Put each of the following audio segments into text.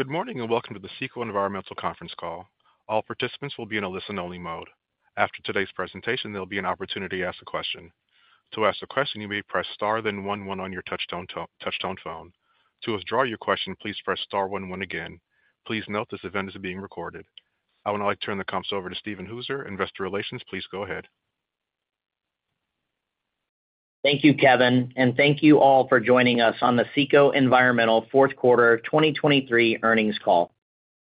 Good morning and welcome to the CECO Environmental conference call. All participants will be in a listen-only mode. After today's presentation, there'll be an opportunity to ask a question. To ask a question, you may press star then 1 1 on your touch-tone phone. To withdraw your question, please press star 1 1 again. Please note this event is being recorded. I would now like to turn the call over to Steven Hooser, Investor Relations. Please go ahead. Thank you, Kevin, and thank you all for joining us on the CECO Environmental Fourth Quarter 2023 earnings call.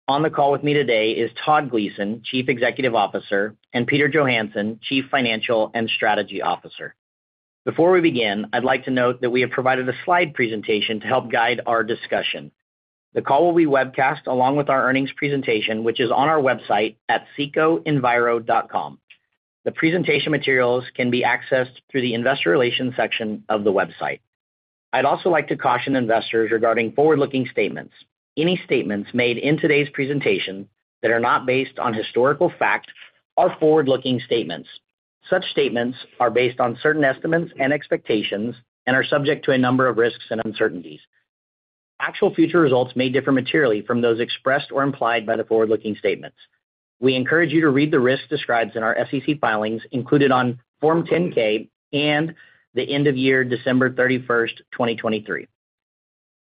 On the call with me today is Todd Gleason, Chief Executive Officer, and Peter Johansson, Chief Financial and Strategy Officer. Before we begin, I'd like to note that we have provided a slide presentation to help guide our discussion. The call will be webcast along with our earnings presentation, which is on our website at CECOEnviro.com. The presentation materials can be accessed through the Investor Relations section of the website. I'd also like to caution investors regarding forward-looking statements. Any statements made in today's presentation that are not based on historical fact are forward-looking statements. Such statements are based on certain estimates and expectations and are subject to a number of risks and uncertainties. Actual future results may differ materially from those expressed or implied by the forward-looking statements. We encourage you to read the risks described in our SEC filings included on Form 10-K and the end-of-year December 31st, 2023.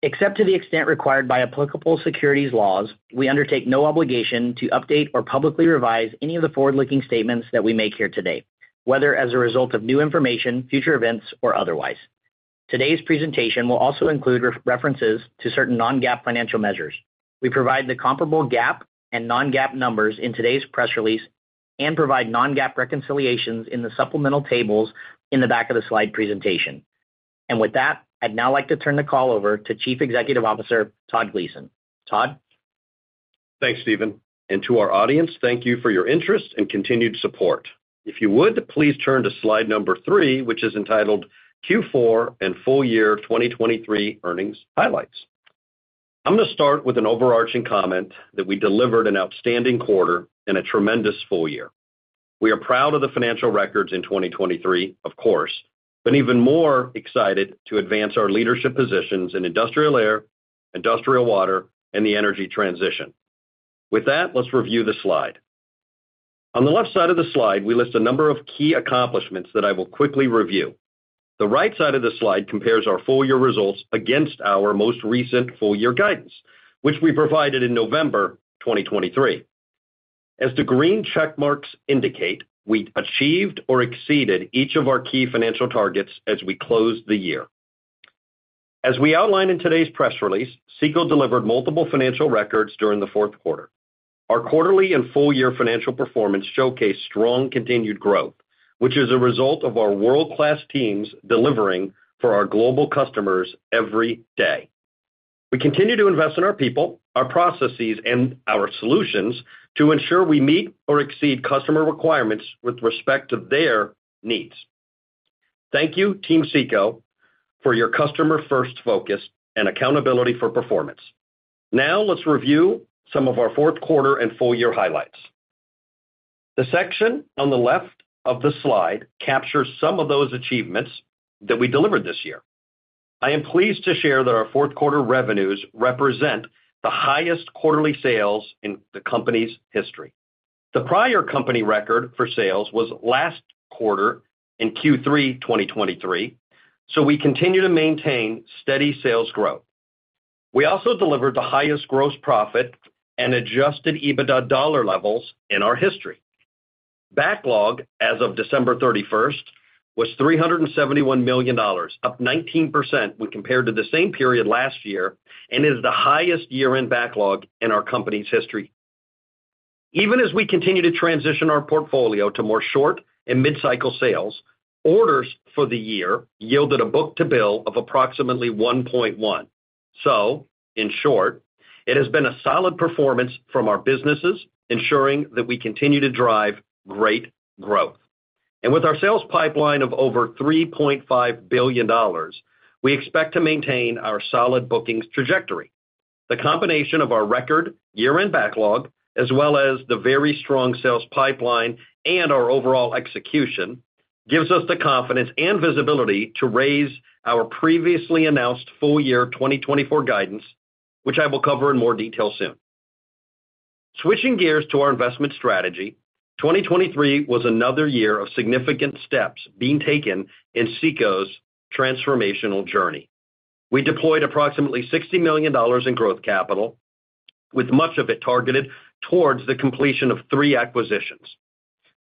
Except to the extent required by applicable securities laws, we undertake no obligation to update or publicly revise any of the forward-looking statements that we make here today, whether as a result of new information, future events, or otherwise. Today's presentation will also include references to certain non-GAAP financial measures. We provide the comparable GAAP and non-GAAP numbers in today's press release and provide non-GAAP reconciliations in the supplemental tables in the back of the slide presentation. And with that, I'd now like to turn the call over to Chief Executive Officer Todd Gleason. Todd? Thanks, Stephen. And to our audience, thank you for your interest and continued support. If you would, please turn to slide number 3, which is entitled Q4 and Full Year 2023 Earnings Highlights. I'm going to start with an overarching comment that we delivered an outstanding quarter and a tremendous full year. We are proud of the financial records in 2023, of course, but even more excited to advance our leadership positions in industrial air, industrial water, and the energy transition. With that, let's review the slide. On the left side of the slide, we list a number of key accomplishments that I will quickly review. The right side of the slide compares our full year results against our most recent full year guidance, which we provided in November 2023. As the green checkmarks indicate, we achieved or exceeded each of our key financial targets as we closed the year. As we outline in today's press release, CECO delivered multiple financial records during the fourth quarter. Our quarterly and full year financial performance showcased strong continued growth, which is a result of our world-class teams delivering for our global customers every day. We continue to invest in our people, our processes, and our solutions to ensure we meet or exceed customer requirements with respect to their needs. Thank you, Team CECO, for your customer-first focus and accountability for performance. Now let's review some of our fourth quarter and full year highlights. The section on the left of the slide captures some of those achievements that we delivered this year. I am pleased to share that our fourth quarter revenues represent the highest quarterly sales in the company's history. The prior company record for sales was last quarter in Q3 2023, so we continue to maintain steady sales growth. We also delivered the highest gross profit and Adjusted EBITDA dollar levels in our history. Backlog as of December 31st was $371 million, up 19% when compared to the same period last year, and is the highest year-end backlog in our company's history. Even as we continue to transition our portfolio to more short and mid-cycle sales, orders for the year yielded a book-to-bill of approximately 1.1. So, in short, it has been a solid performance from our businesses, ensuring that we continue to drive great growth. And with our sales pipeline of over $3.5 billion, we expect to maintain our solid bookings trajectory. The combination of our record year-end backlog, as well as the very strong sales pipeline and our overall execution, gives us the confidence and visibility to raise our previously announced full year 2024 guidance, which I will cover in more detail soon. Switching gears to our investment strategy, 2023 was another year of significant steps being taken in CECO's transformational journey. We deployed approximately $60 million in growth capital, with much of it targeted towards the completion of 3 acquisitions.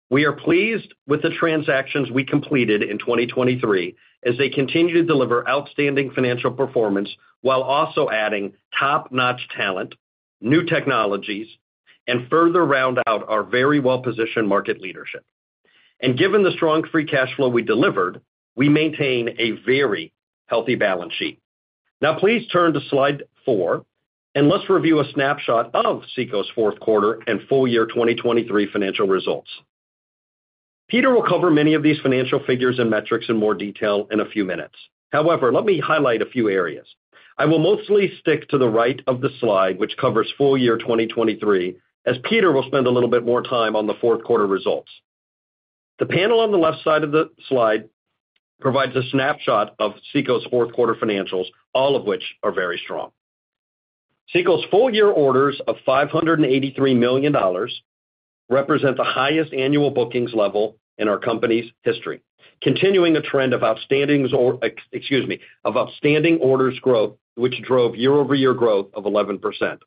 We are pleased with the transactions we completed in 2023 as they continue to deliver outstanding financial performance while also adding top-notch talent, new technologies, and further round out our very well-positioned market leadership. Given the strong free cash flow we delivered, we maintain a very healthy balance sheet. Now please turn to slide 4, and let's review a snapshot of CECO's fourth quarter and full year 2023 financial results. Peter will cover many of these financial figures and metrics in more detail in a few minutes. However, let me highlight a few areas. I will mostly stick to the right of the slide, which covers full year 2023, as Peter will spend a little bit more time on the fourth quarter results. The panel on the left side of the slide provides a snapshot of CECO's fourth quarter financials, all of which are very strong. CECO's full year orders of $583 million represent the highest annual bookings level in our company's history, continuing a trend of outstanding orders growth, which drove year-over-year growth of 11%.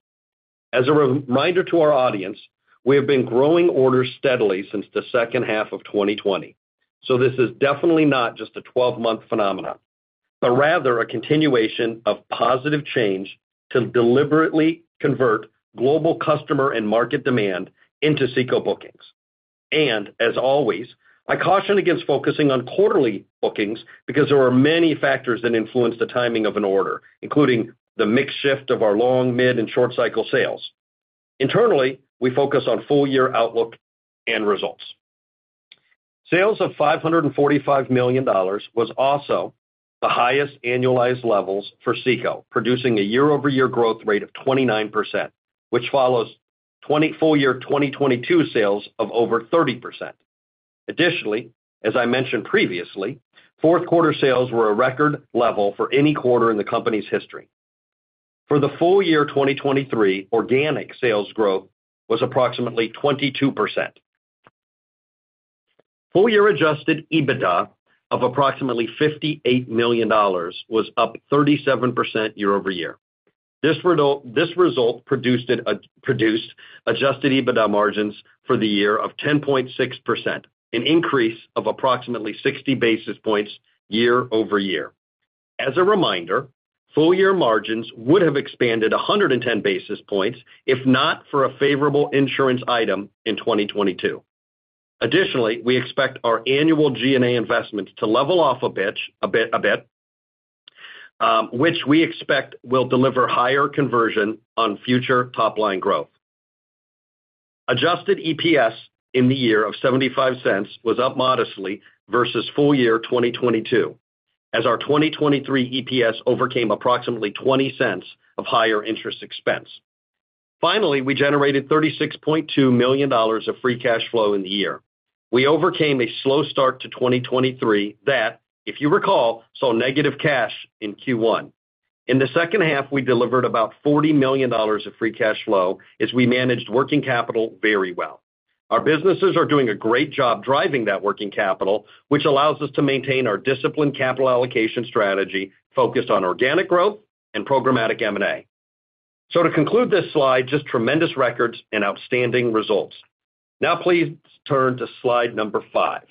As a reminder to our audience, we have been growing orders steadily since the second half of 2020. So this is definitely not just a 12-month phenomenon, but rather a continuation of positive change to deliberately convert global customer and market demand into CECO bookings. As always, I caution against focusing on quarterly bookings because there are many factors that influence the timing of an order, including the mixed shift of our long, mid, and short-cycle sales. Internally, we focus on full year outlook and results. Sales of $545 million was also the highest annualized levels for CECO, producing a year-over-year growth rate of 29%, which follows full year 2022 sales of over 30%. Additionally, as I mentioned previously, fourth quarter sales were a record level for any quarter in the company's history. For the full year 2023, organic sales growth was approximately 22%. Full year adjusted EBITDA of approximately $58 million was up 37% year-over-year. This result produced adjusted EBITDA margins for the year of 10.6%, an increase of approximately 60 basis points year-over-year. As a reminder, full year margins would have expanded 110 basis points if not for a favorable insurance item in 2022. Additionally, we expect our annual G&A investments to level off a bit, which we expect will deliver higher conversion on future top-line growth. Adjusted EPS in the year of $0.75 was up modestly versus full year 2022, as our 2023 EPS overcame approximately $0.20 of higher interest expense. Finally, we generated $36.2 million of free cash flow in the year. We overcame a slow start to 2023 that, if you recall, saw negative cash in Q1. In the second half, we delivered about $40 million of free cash flow as we managed working capital very well. Our businesses are doing a great job driving that working capital, which allows us to maintain our disciplined capital allocation strategy focused on organic growth and programmatic M&A. To conclude this slide, just tremendous records and outstanding results. Now please turn to slide number 5.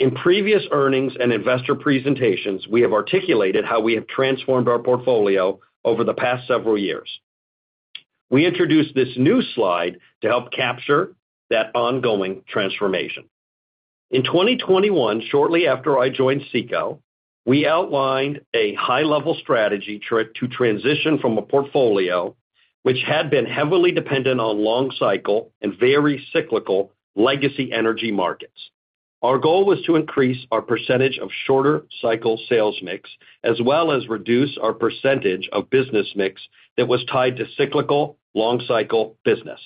In previous earnings and investor presentations, we have articulated how we have transformed our portfolio over the past several years. We introduced this new slide to help capture that ongoing transformation. In 2021, shortly after I joined CECO, we outlined a high-level strategy to transition from a portfolio which had been heavily dependent on long-cycle and very cyclical legacy energy markets. Our goal was to increase our percentage of shorter-cycle sales mix, as well as reduce our percentage of business mix that was tied to cyclical, long-cycle business.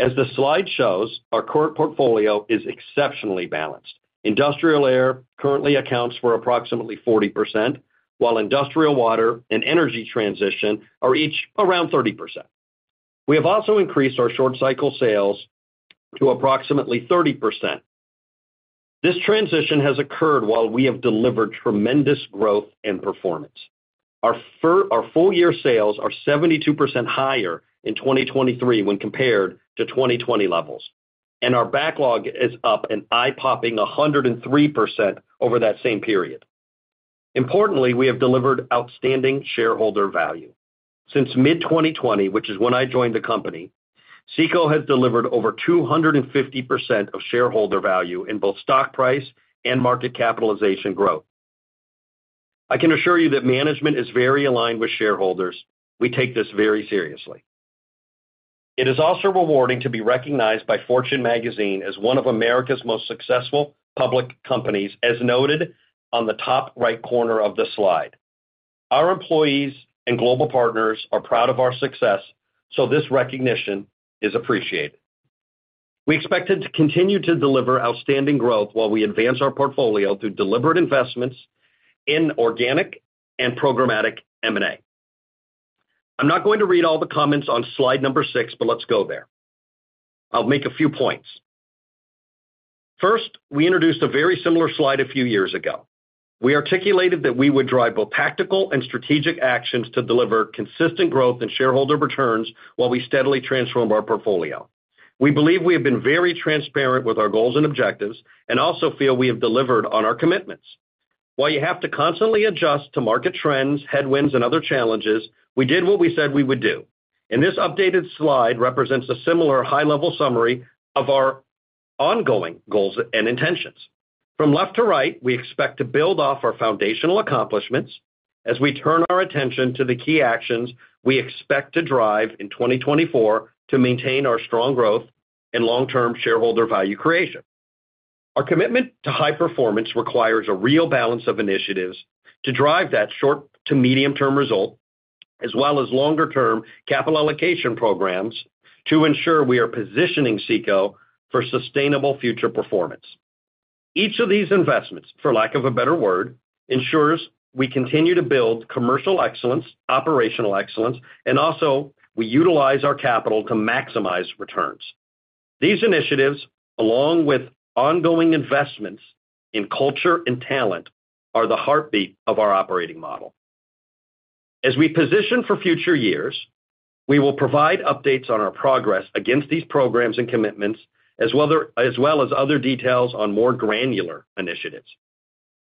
As the slide shows, our current portfolio is exceptionally balanced. Industrial Air currently accounts for approximately 40%, while Industrial Water and energy transition are each around 30%. We have also increased our short-cycle sales to approximately 30%. This transition has occurred while we have delivered tremendous growth and performance. Our full year sales are 72% higher in 2023 when compared to 2020 levels, and our backlog is up an eye-popping 103% over that same period. Importantly, we have delivered outstanding shareholder value. Since mid-2020, which is when I joined the company, CECO has delivered over 250% of shareholder value in both stock price and market capitalization growth. I can assure you that management is very aligned with shareholders. We take this very seriously. It is also rewarding to be recognized by Fortune Magazine as one of America's most successful public companies, as noted on the top right corner of the slide. Our employees and global partners are proud of our success, so this recognition is appreciated. We expect it to continue to deliver outstanding growth while we advance our portfolio through deliberate investments in organic and programmatic M&A. I'm not going to read all the comments on slide number 6, but let's go there. I'll make a few points. First, we introduced a very similar slide a few years ago. We articulated that we would drive both tactical and strategic actions to deliver consistent growth and shareholder returns while we steadily transform our portfolio. We believe we have been very transparent with our goals and objectives and also feel we have delivered on our commitments. While you have to constantly adjust to market trends, headwinds, and other challenges, we did what we said we would do. This updated slide represents a similar high-level summary of our ongoing goals and intentions. From left to right, we expect to build off our foundational accomplishments as we turn our attention to the key actions we expect to drive in 2024 to maintain our strong growth and long-term shareholder value creation. Our commitment to high performance requires a real balance of initiatives to drive that short-to-medium-term result, as well as longer-term capital allocation programs to ensure we are positioning CECO for sustainable future performance. Each of these investments, for lack of a better word, ensures we continue to build commercial excellence, operational excellence, and also we utilize our capital to maximize returns. These initiatives, along with ongoing investments in culture and talent, are the heartbeat of our operating model. As we position for future years, we will provide updates on our progress against these programs and commitments, as well as other details on more granular initiatives.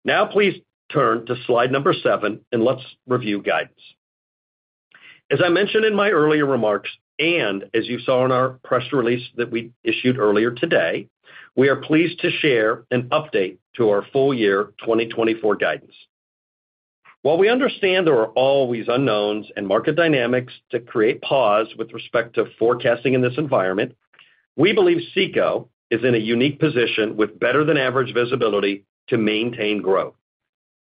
Now please turn to slide number 7, and let's review guidance. As I mentioned in my earlier remarks, and as you saw in our press release that we issued earlier today, we are pleased to share an update to our full year 2024 guidance. While we understand there are always unknowns and market dynamics to create pause with respect to forecasting in this environment, we believe CECO is in a unique position with better-than-average visibility to maintain growth.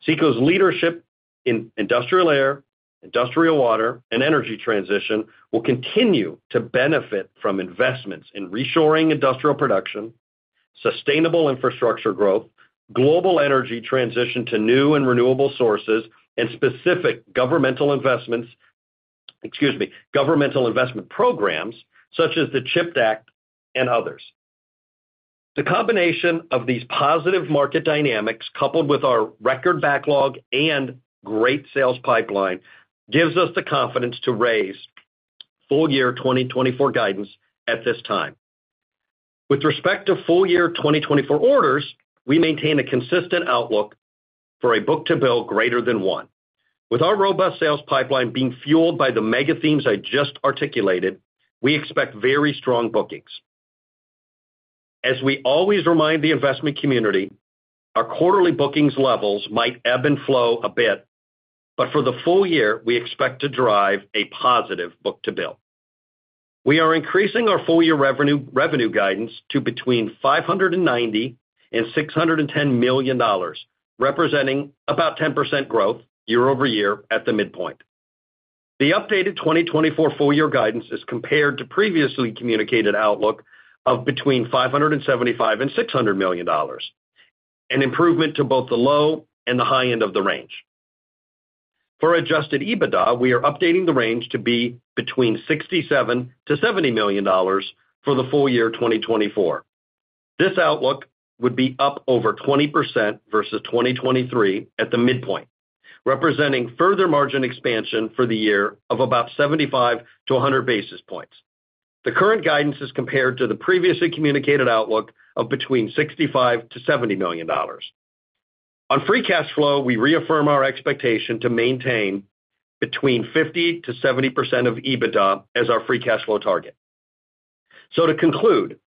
CECO's leadership in Industrial Air, Industrial Water, and energy transition will continue to benefit from investments in Reshoring industrial production, sustainable infrastructure growth, global energy transition to new and renewable sources, and specific governmental investment programs such as the CHIPS and Science Act and others. The combination of these positive market dynamics, coupled with our record backlog and great sales pipeline, gives us the confidence to raise full year 2024 guidance at this time. With respect to full year 2024 orders, we maintain a consistent outlook for a book-to-bill greater than one. With our robust sales pipeline being fueled by the mega themes I just articulated, we expect very strong bookings. As we always remind the investment community, our quarterly bookings levels might ebb and flow a bit, but for the full year, we expect to drive a positive book-to-bill. We are increasing our full year revenue guidance to between $590-$610 million, representing about 10% growth year-over-year at the midpoint. The updated 2024 full year guidance is compared to previously communicated outlook of between $575-$600 million, an improvement to both the low and the high end of the range. For Adjusted EBITDA, we are updating the range to be between $67-$70 million for the full year 2024. This outlook would be up over 20% versus 2023 at the midpoint, representing further margin expansion for the year of about 75-100 basis points. The current guidance is compared to the previously communicated outlook of between $65-$70 million. On free cash flow, we reaffirm our expectation to maintain between 50%-70% of EBITDA as our free cash flow target. So to conclude,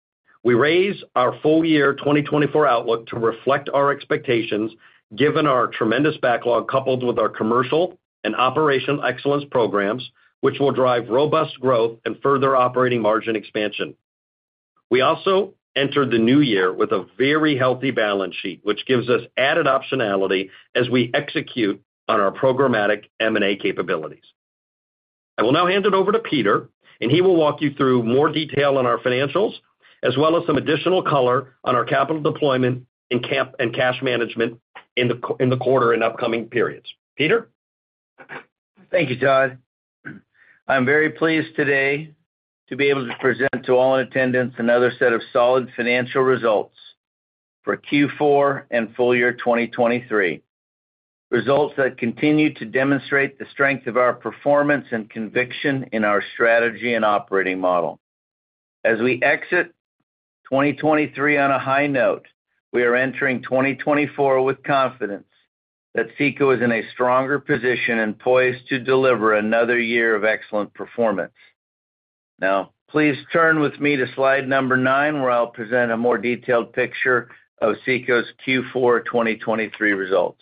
we raise our full year 2024 outlook to reflect our expectations given our tremendous backlog coupled with our commercial and operational excellence programs, which will drive robust growth and further operating margin expansion. We also enter the new year with a very healthy balance sheet, which gives us added optionality as we execute on our programmatic M&A capabilities. I will now hand it over to Peter, and he will walk you through more detail on our financials, as well as some additional color on our capital deployment and cash management in the quarter and upcoming periods. Peter? Thank you, Todd. I'm very pleased today to be able to present to all in attendance another set of solid financial results for Q4 and full year 2023, results that continue to demonstrate the strength of our performance and conviction in our strategy and operating model. As we exit 2023 on a high note, we are entering 2024 with confidence that CECO is in a stronger position and poised to deliver another year of excellent performance. Now please turn with me to slide number nine, where I'll present a more detailed picture of CECO's Q4 2023 results.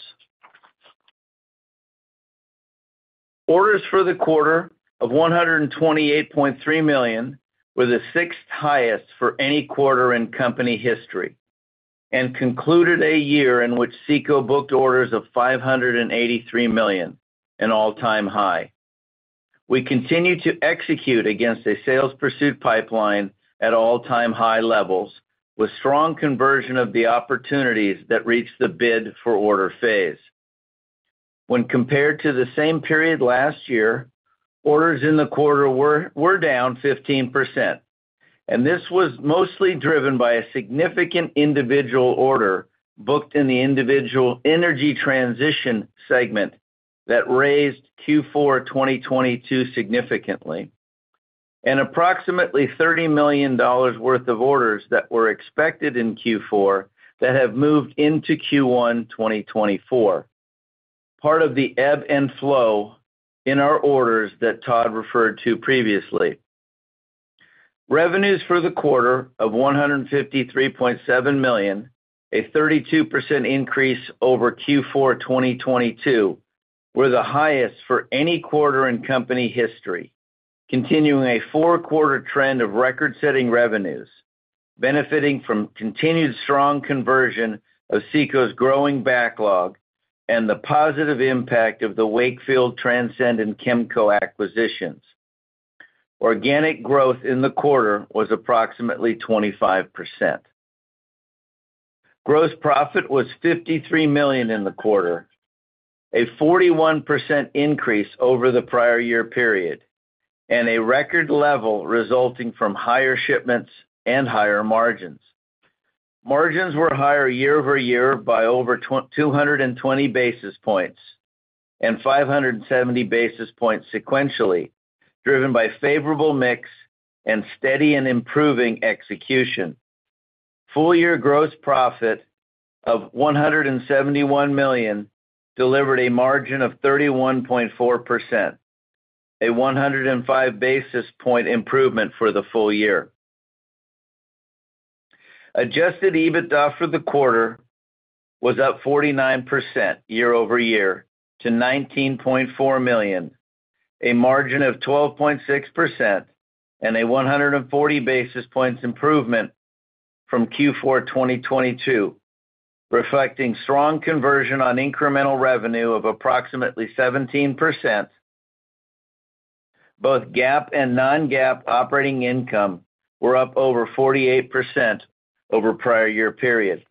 Orders for the quarter of $128.3 million were the sixth highest for any quarter in company history and concluded a year in which CECO booked orders of $583 million, an all-time high. We continue to execute against a sales pursuit pipeline at all-time high levels with strong conversion of the opportunities that reach the bid for order phase. When compared to the same period last year, orders in the quarter were down 15%, and this was mostly driven by a significant individual order booked in the individual energy transition segment that raised Q4 2022 significantly, and approximately $30 million worth of orders that were expected in Q4 that have moved into Q1 2024, part of the ebb and flow in our orders that Todd referred to previously. Revenues for the quarter of $153.7 million, a 32% increase over Q4 2022, were the highest for any quarter in company history, continuing a four-quarter trend of record-setting revenues, benefiting from continued strong conversion of CECO's growing backlog and the positive impact of the Wakefield, Transcend and Chemco acquisitions. Organic growth in the quarter was approximately 25%. Gross profit was $53 million in the quarter, a 41% increase over the prior year period, and a record level resulting from higher shipments and higher margins. Margins were higher year-over-year by over 220 basis points and 570 basis points sequentially, driven by favorable mix and steady and improving execution. Full year gross profit of $171 million delivered a margin of 31.4%, a 105 basis point improvement for the full year. Adjusted EBITDA for the quarter was up 49% year-over-year to $19.4 million, a margin of 12.6%, and a 140 basis points improvement from Q4 2022, reflecting strong conversion on incremental revenue of approximately 17%. Both GAAP and non-GAAP operating income were up over 48% over prior year period.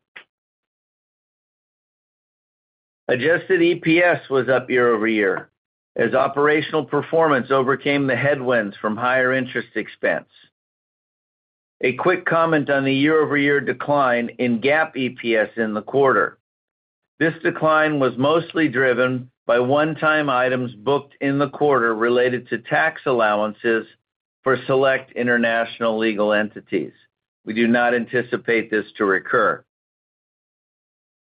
Adjusted EPS was up year-over-year as operational performance overcame the headwinds from higher interest expense. A quick comment on the year-over-year decline in GAAP EPS in the quarter. This decline was mostly driven by one-time items booked in the quarter related to tax allowances for select international legal entities. We do not anticipate this to recur.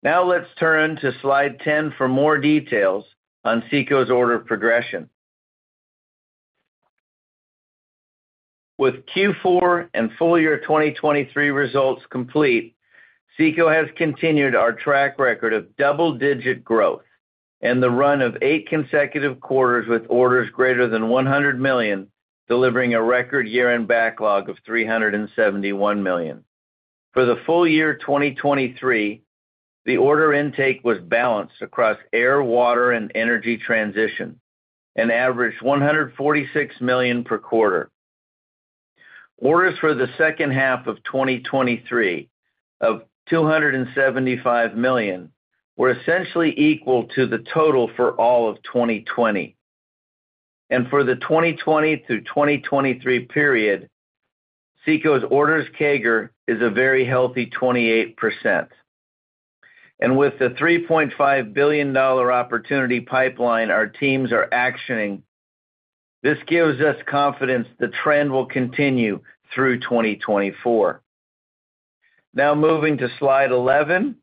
Now let's turn to slide 10 for more details on CECO's order progression. With Q4 and full year 2023 results complete, CECO has continued our track record of double-digit growth and the run of eight consecutive quarters with orders greater than $100 million delivering a record year-end backlog of $371 million. For the full year 2023, the order intake was balanced across air, water, and energy transition and averaged $146 million per quarter. Orders for the second half of 2023 of $275 million were essentially equal to the total for all of 2020. For the 2020 through 2023 period, CECO's orders CAGR is a very healthy 28%. With the $3.5 billion opportunity pipeline our teams are actioning, this gives us confidence the trend will continue through 2024. Now moving to slide 11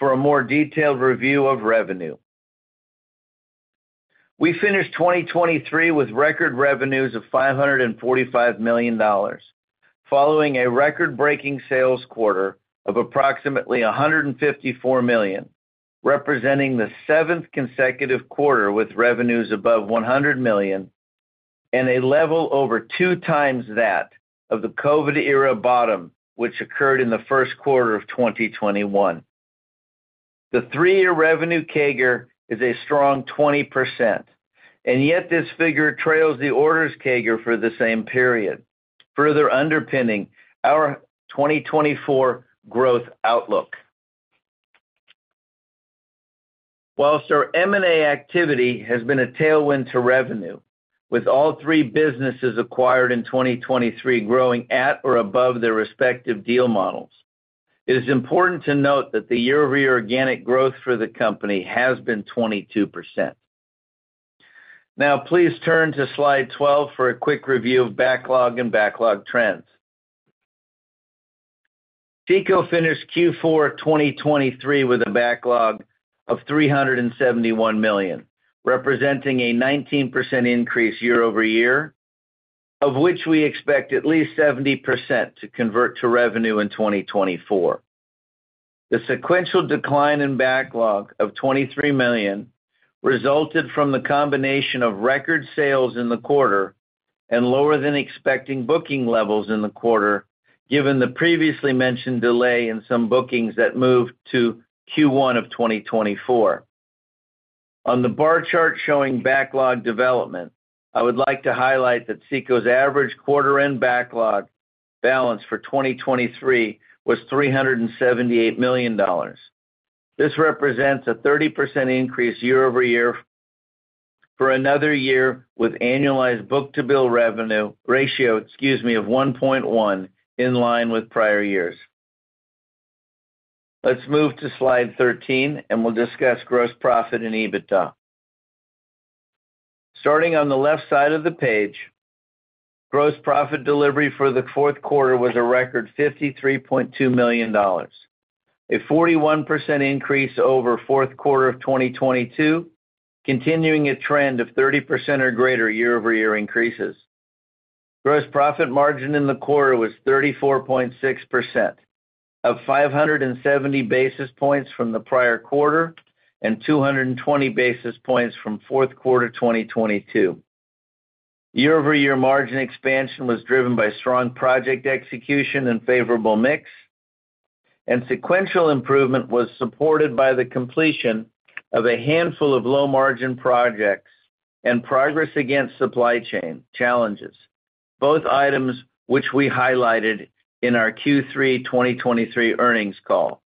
for a more detailed review of revenue. We finished 2023 with record revenues of $545 million, following a record-breaking sales quarter of approximately $154 million, representing the seventh consecutive quarter with revenues above $100 million and a level over two times that of the COVID-era bottom, which occurred in the first quarter of 2021. The three-year revenue CAGR is a strong 20%, and yet this figure trails the orders CAGR for the same period, further underpinning our 2024 growth outlook. While our M&A activity has been a tailwind to revenue, with all three businesses acquired in 2023 growing at or above their respective deal models, it is important to note that the year-over-year organic growth for the company has been 22%. Now please turn to slide 12 for a quick review of backlog and backlog trends. CECO finished Q4 2023 with a backlog of $371 million, representing a 19% increase year-over-year, of which we expect at least 70% to convert to revenue in 2024. The sequential decline in backlog of $23 million resulted from the combination of record sales in the quarter and lower-than-expected booking levels in the quarter, given the previously mentioned delay in some bookings that moved to Q1 of 2024. On the bar chart showing backlog development, I would like to highlight that CECO's average quarter-end backlog balance for 2023 was $378 million. This represents a 30% increase year-over-year for another year with annualized book-to-bill ratio of 1.1 in line with prior years. Let's move to slide 13, and we'll discuss gross profit and EBITDA. Starting on the left side of the page, gross profit delivery for the fourth quarter was a record $53.2 million, a 41% increase over fourth quarter of 2022, continuing a trend of 30% or greater year-over-year increases. Gross profit margin in the quarter was 34.6%, up 570 basis points from the prior quarter and 220 basis points from fourth quarter 2022. Year-over-year margin expansion was driven by strong project execution and favorable mix, and sequential improvement was supported by the completion of a handful of low-margin projects and progress against supply chain challenges, both items which we highlighted in our Q3 2023 earnings call.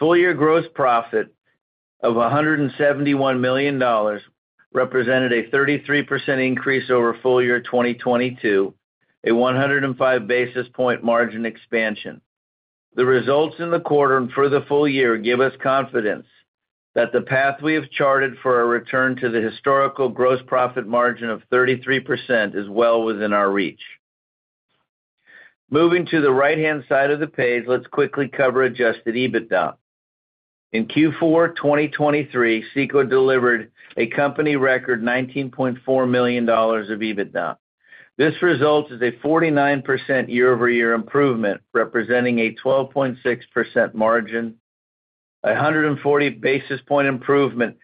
Full year gross profit of $171 million represented a 33% increase over full year 2022, a 105 basis point margin expansion. The results in the quarter and for the full year give us confidence that the path we have charted for a return to the historical gross profit margin of 33% is well within our reach. Moving to the right-hand side of the page, let's quickly cover adjusted EBITDA. In Q4 2023, CECO delivered a company record $19.4 million of EBITDA. This results in a 49% year-over-year improvement, representing a 12.6% margin, a 140 basis point improvement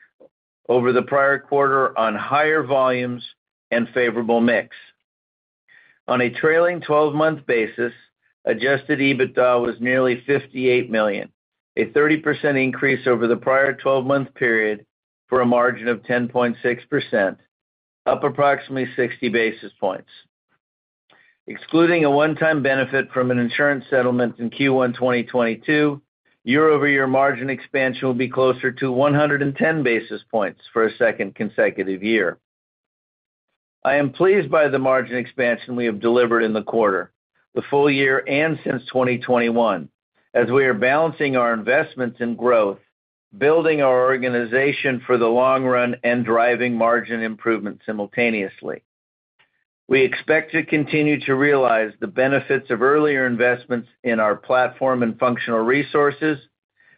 over the prior quarter on higher volumes and favorable mix. On a trailing 12-month basis, adjusted EBITDA was nearly $58 million, a 30% increase over the prior 12-month period for a margin of 10.6%, up approximately 60 basis points. Excluding a one-time benefit from an insurance settlement in Q1 2022, year-over-year margin expansion will be closer to 110 basis points for a second consecutive year. I am pleased by the margin expansion we have delivered in the quarter, the full year and since 2021, as we are balancing our investments in growth, building our organization for the long run and driving margin improvement simultaneously. We expect to continue to realize the benefits of earlier investments in our platform and functional resources,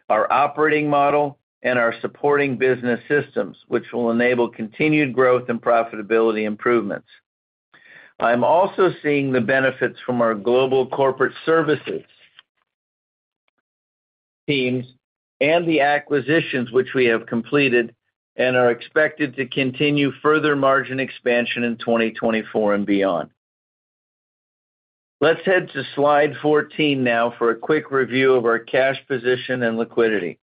our operating model, and our supporting business systems, which will enable continued growth and profitability improvements. I am also seeing the benefits from our global corporate services teams and the acquisitions which we have completed and are expected to continue further margin expansion in 2024 and beyond. Let's head to slide 14 now for a quick review of our cash position and liquidity.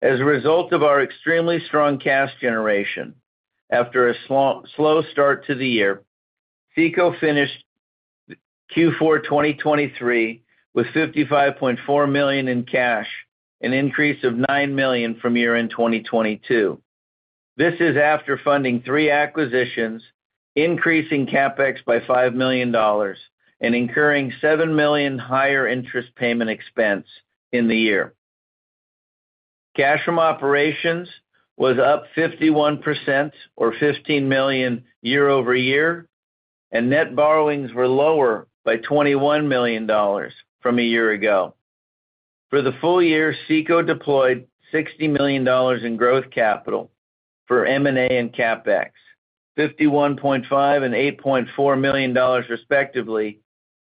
As a result of our extremely strong cash generation, after a slow start to the year, CECO finished Q4 2023 with $55.4 million in cash, an increase of $9 million from year-end 2022. This is after funding three acquisitions, increasing CapEx by $5 million, and incurring $7 million higher interest payment expense in the year. Cash from operations was up 51% or $15 million year-over-year, and net borrowings were lower by $21 million from a year ago. For the full year, CECO deployed $60 million in growth capital for M&A and CapEx, $51.5 and $8.4 million respectively,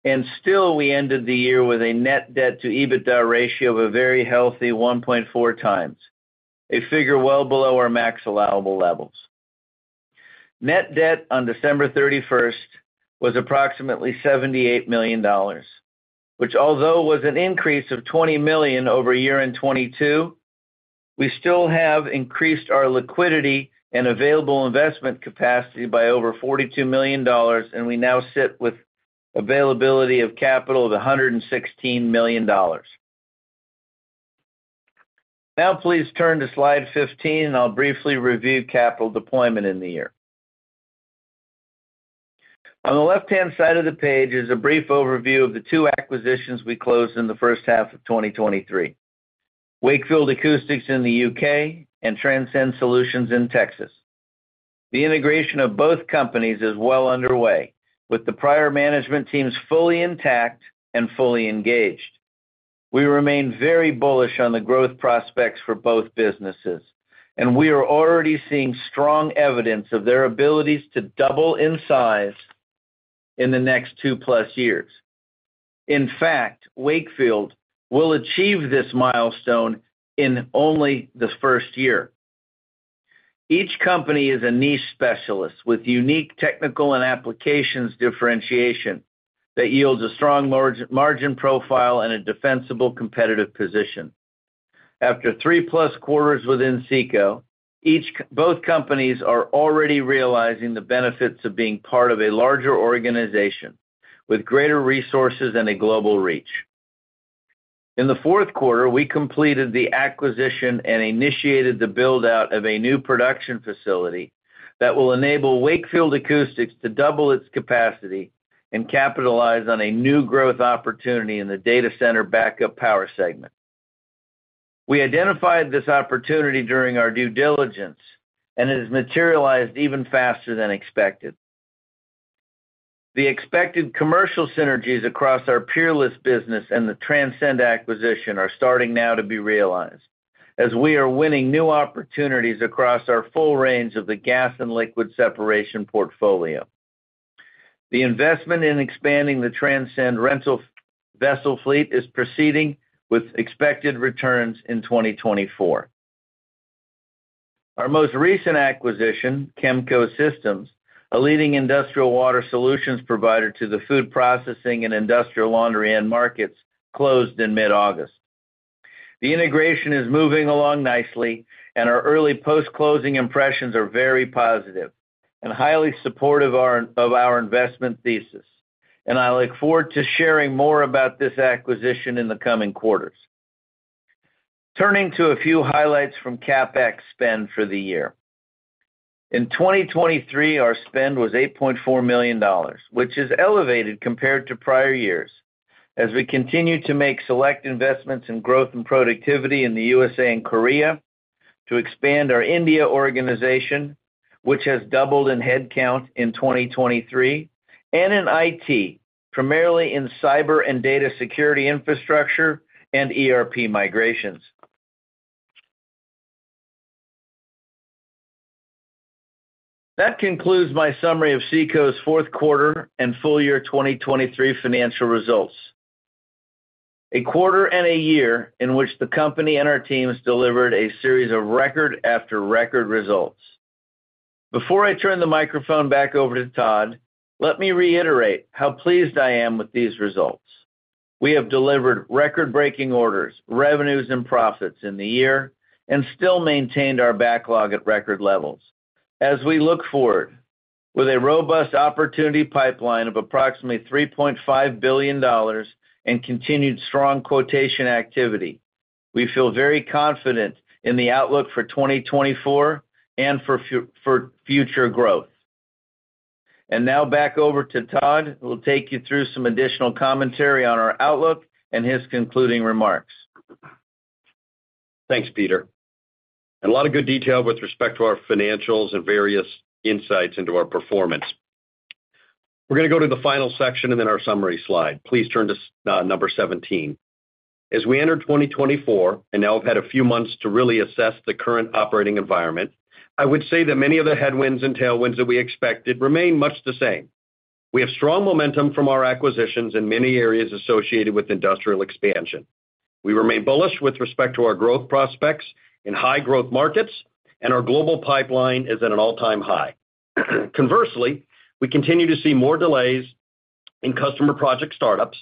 and still we ended the year with a net debt to EBITDA ratio of a very healthy 1.4 times, a figure well below our max allowable levels. Net debt on December 31st was approximately $78 million, which although was an increase of $20 million over year-end 2022, we still have increased our liquidity and available investment capacity by over $42 million, and we now sit with availability of capital of $116 million. Now please turn to slide 15, and I'll briefly review capital deployment in the year. On the left-hand side of the page is a brief overview of the two acquisitions we closed in the first half of 2023, Wakefield Acoustics in the UK and Transcend Solutions in Texas. The integration of both companies is well underway, with the prior management teams fully intact and fully engaged. We remain very bullish on the growth prospects for both businesses, and we are already seeing strong evidence of their abilities to double in size in the next two-plus years. In fact, Wakefield Acoustics will achieve this milestone in only the first year. Each company is a niche specialist with unique technical and applications differentiation that yields a strong margin profile and a defensible competitive position. After three-plus quarters within CECO, both companies are already realizing the benefits of being part of a larger organization with greater resources and a global reach. In the fourth quarter, we completed the acquisition and initiated the build-out of a new production facility that will enable Wakefield Acoustics to double its capacity and capitalize on a new growth opportunity in the data center backup power segment. We identified this opportunity during our due diligence, and it has materialized even faster than expected. The expected commercial synergies across our Peerless business and the Transcend acquisition are starting now to be realized, as we are winning new opportunities across our full range of the gas and liquid separation portfolio. The investment in expanding the Transcend rental vessel fleet is proceeding with expected returns in 2024. Our most recent acquisition, Chemco Systems, a leading industrial water solutions provider to the food processing and industrial laundry end markets, closed in mid-August. The integration is moving along nicely, and our early post-closing impressions are very positive and highly supportive of our investment thesis, and I look forward to sharing more about this acquisition in the coming quarters. Turning to a few highlights from CapEx spend for the year. In 2023, our spend was $8.4 million, which is elevated compared to prior years, as we continue to make select investments in growth and productivity in the USA and Korea to expand our India organization, which has doubled in headcount in 2023, and in IT, primarily in cyber and data security infrastructure and ERP migrations. That concludes my summary of CECO's fourth quarter and full year 2023 financial results. A quarter and a year in which the company and our teams delivered a series of record after record results. Before I turn the microphone back over to Todd, let me reiterate how pleased I am with these results. We have delivered record-breaking orders, revenues, and profits in the year and still maintained our backlog at record levels. As we look forward, with a robust opportunity pipeline of approximately $3.5 billion and continued strong quotation activity, we feel very confident in the outlook for 2024 and for future growth. And now back over to Todd, who will take you through some additional commentary on our outlook and his concluding remarks. Thanks, Peter. And a lot of good detail with respect to our financials and various insights into our performance. We're going to go to the final section and then our summary slide. Please turn to number 17. As we entered 2024 and now have had a few months to really assess the current operating environment, I would say that many of the headwinds and tailwinds that we expected remain much the same. We have strong momentum from our acquisitions in many areas associated with industrial expansion. We remain bullish with respect to our growth prospects in high-growth markets, and our global pipeline is at an all-time high. Conversely, we continue to see more delays in customer project startups,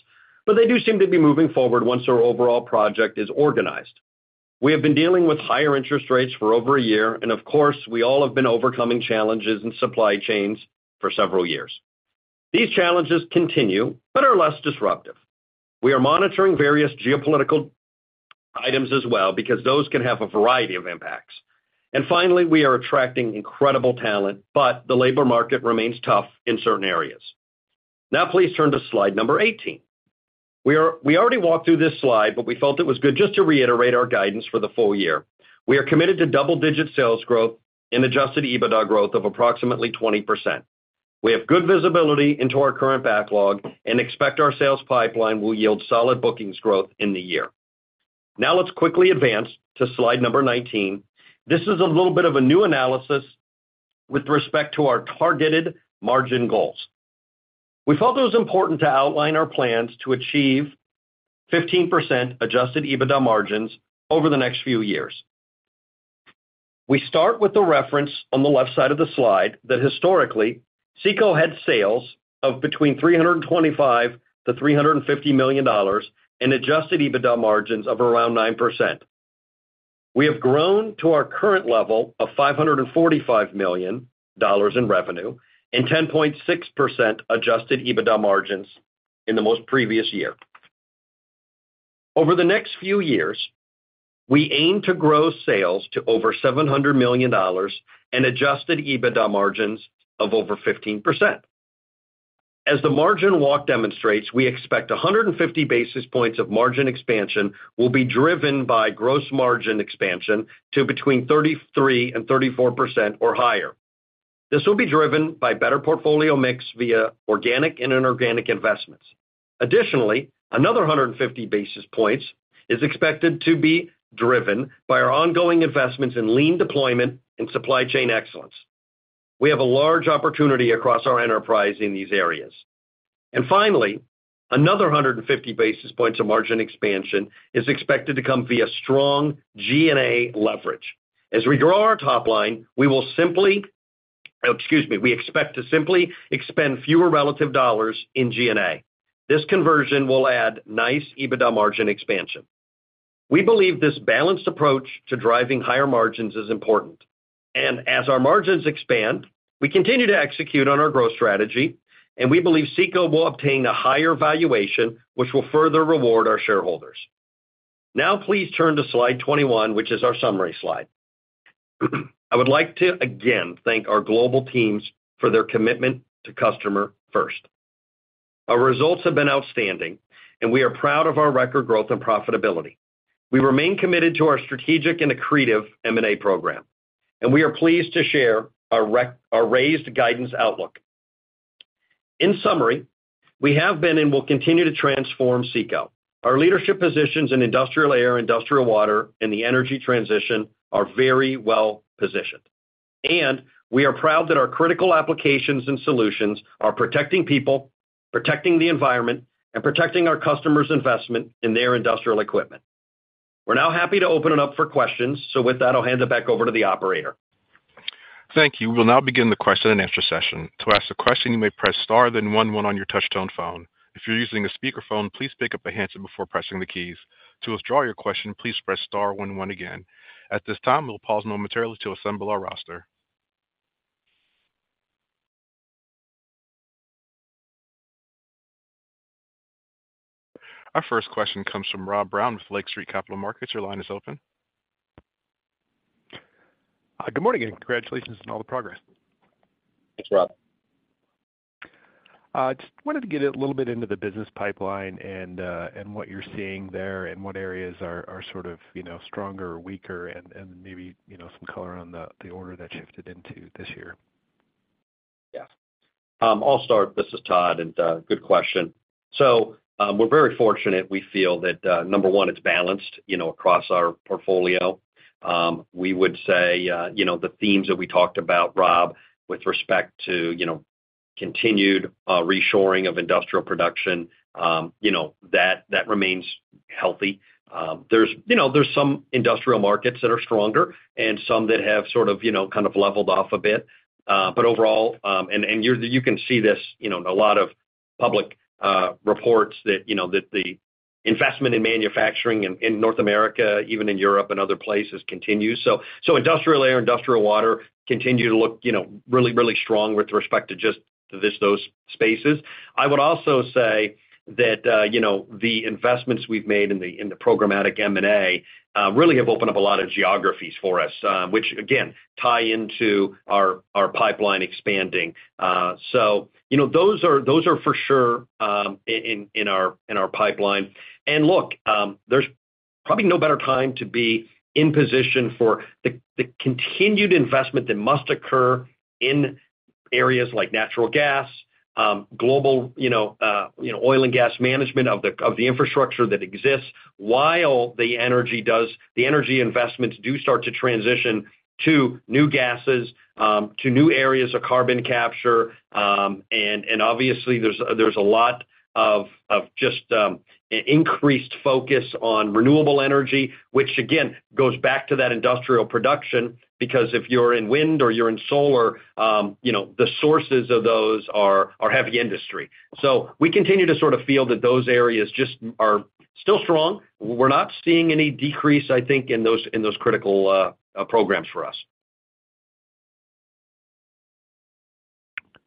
but they do seem to be moving forward once our overall project is organized. We have been dealing with higher interest rates for over a year, and of course, we all have been overcoming challenges in supply chains for several years. These challenges continue, but are less disruptive. We are monitoring various geopolitical items as well because those can have a variety of impacts. And finally, we are attracting incredible talent, but the labor market remains tough in certain areas. Now please turn to slide number 18. We already walked through this slide, but we felt it was good just to reiterate our guidance for the full year. We are committed to double-digit sales growth and Adjusted EBITDA growth of approximately 20%. We have good visibility into our current backlog and expect our sales pipeline will yield solid bookings growth in the year. Now let's quickly advance to slide number 19. This is a little bit of a new analysis with respect to our targeted margin goals. We felt it was important to outline our plans to achieve 15% Adjusted EBITDA margins over the next few years. We start with the reference on the left side of the slide that historically, CECO had sales of between $325-$350 million and Adjusted EBITDA margins of around 9%. We have grown to our current level of $545 million in revenue and 10.6% Adjusted EBITDA margins in the most previous year. Over the next few years, we aim to grow sales to over $700 million and adjusted EBITDA margins of over 15%. As the margin walk demonstrates, we expect 150 basis points of margin expansion will be driven by gross margin expansion to between 33%-34% or higher. This will be driven by better portfolio mix via organic and inorganic investments. Additionally, another 150 basis points is expected to be driven by our ongoing investments in lean deployment and supply chain excellence. We have a large opportunity across our enterprise in these areas. Finally, another 150 basis points of margin expansion is expected to come via strong G&A leverage. As we grow our top line, excuse me, we expect to simply expend fewer relative dollars in G&A. This conversion will add nice EBITDA margin expansion. We believe this balanced approach to driving higher margins is important. As our margins expand, we continue to execute on our growth strategy, and we believe CECO will obtain a higher valuation, which will further reward our shareholders. Now please turn to slide 21, which is our summary slide. I would like to again thank our global teams for their commitment to customer first. Our results have been outstanding, and we are proud of our record growth and profitability. We remain committed to our strategic and accretive M&A program, and we are pleased to share our raised guidance outlook. In summary, we have been and will continue to transform CECO. Our leadership positions in industrial air, industrial water, and the energy transition are very well positioned. We are proud that our critical applications and solutions are protecting people, protecting the environment, and protecting our customers' investment in their industrial equipment. We're now happy to open it up for questions, so with that, I'll hand it back over to the operator. Thank you. We will now begin the question and answer session. To ask a question, you may press star then 11 on your touch-tone phone. If you're using a speakerphone, please pick up a handset before pressing the keys. To withdraw your question, please press star 11 again. At this time, we'll pause momentarily to assemble our roster. Our first question comes from Rob Brown with Lake Street Capital Markets. Your line is open. Good morning and congratulations on all the progress. Thanks, Rob. Just wanted to get a little bit into the business pipeline and what you're seeing there and what areas are sort of stronger or weaker and maybe some color on the order that shifted into this year. Yes. I'll start. This is Todd, and good question. So we're very fortunate. We feel that, number one, it's balanced across our portfolio. We would say the themes that we talked about, Rob, with respect to continued reshoring of industrial production, that remains healthy. There's some industrial markets that are stronger and some that have sort of kind of leveled off a bit. But overall, and you can see this, a lot of public reports that the investment in manufacturing in North America, even in Europe and other places, continues. So industrial air, industrial water continue to look really, really strong with respect to just those spaces. I would also say that the investments we've made in the programmatic M&A really have opened up a lot of geographies for us, which, again, tie into our pipeline expanding. So those are for sure in our pipeline. And look, there's probably no better time to be in position for the continued investment that must occur in areas like natural gas, global oil and gas management of the infrastructure that exists, while the energy investments do start to transition to new gases, to new areas of carbon capture. And obviously, there's a lot of just increased focus on renewable energy, which, again, goes back to that industrial production because if you're in wind or you're in solar, the sources of those are heavy industry. So we continue to sort of feel that those areas just are still strong. We're not seeing any decrease, I think, in those critical programs for us.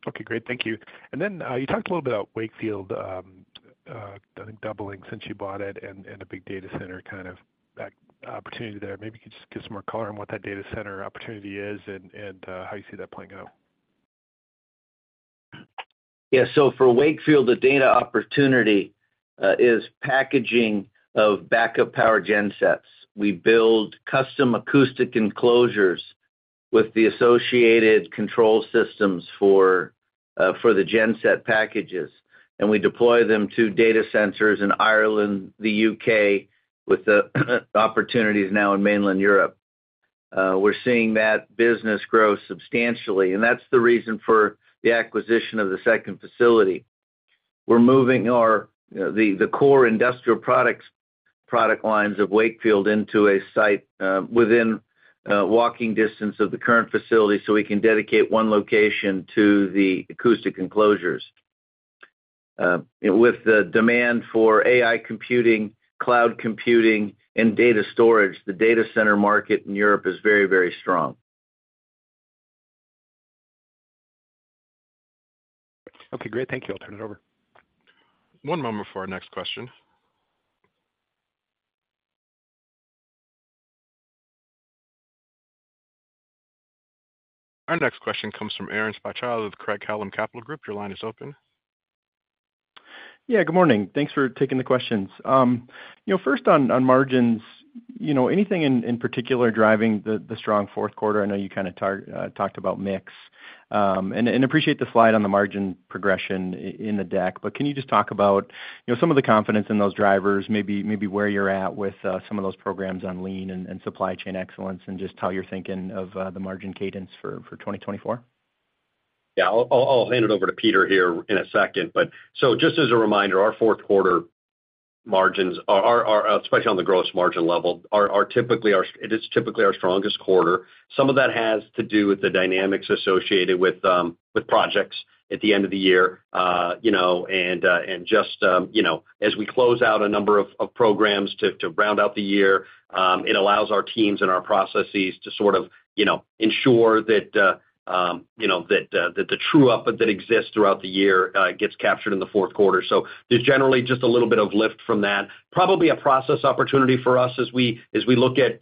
Okay. Great. Thank you. And then you talked a little bit about Wakefield, I think, doubling since you bought it and a big data center kind of opportunity there. Maybe you could just give some more color on what that data center opportunity is and how you see that playing out. Yeah. So for Wakefield, the data opportunity is packaging of backup power gensets. We build custom acoustic enclosures with the associated control systems for the genset packages, and we deploy them to data centers in Ireland, the U.K., with the opportunities now in mainland Europe. We're seeing that business grow substantially, and that's the reason for the acquisition of the second facility. We're moving the core industrial product lines of Wakefield into a site within walking distance of the current facility so we can dedicate one location to the acoustic enclosures. With the demand for AI computing, cloud computing, and data storage, the data center market in Europe is very, very strong. Okay. Great. Thank you. I'll turn it over. One moment for our next question. Our next question comes from Aaron Spychala with Craig-Hallum Capital Group. Your line is open. Yeah. Good morning. Thanks for taking the questions. First, on margins, anything in particular driving the strong fourth quarter? I know you kind of talked about mix, and I appreciate the slide on the margin progression in the deck, but can you just talk about some of the confidence in those drivers, maybe where you're at with some of those programs on lean and supply chain excellence, and just how you're thinking of the margin cadence for 2024? Yeah. I'll hand it over to Peter here in a second. But so just as a reminder, our fourth quarter margins, especially on the gross margin level, are typically our, it is typically, our strongest quarter. Some of that has to do with the dynamics associated with projects at the end of the year. And just as we close out a number of programs to round out the year, it allows our teams and our processes to sort of ensure that the true-up input that exists throughout the year gets captured in the fourth quarter. So there's generally just a little bit of lift from that, probably a process opportunity for us as we look at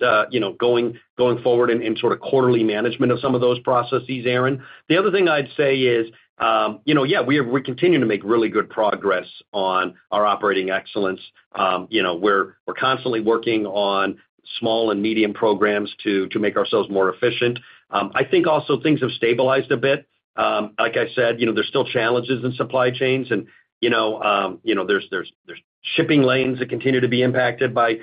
going forward in sort of quarterly management of some of those processes, Aaron. The other thing I'd say is, yeah, we continue to make really good progress on our operating excellence. We're constantly working on small and medium programs to make ourselves more efficient. I think also things have stabilized a bit. Like I said, there's still challenges in supply chains, and there's shipping lanes that continue to be impacted by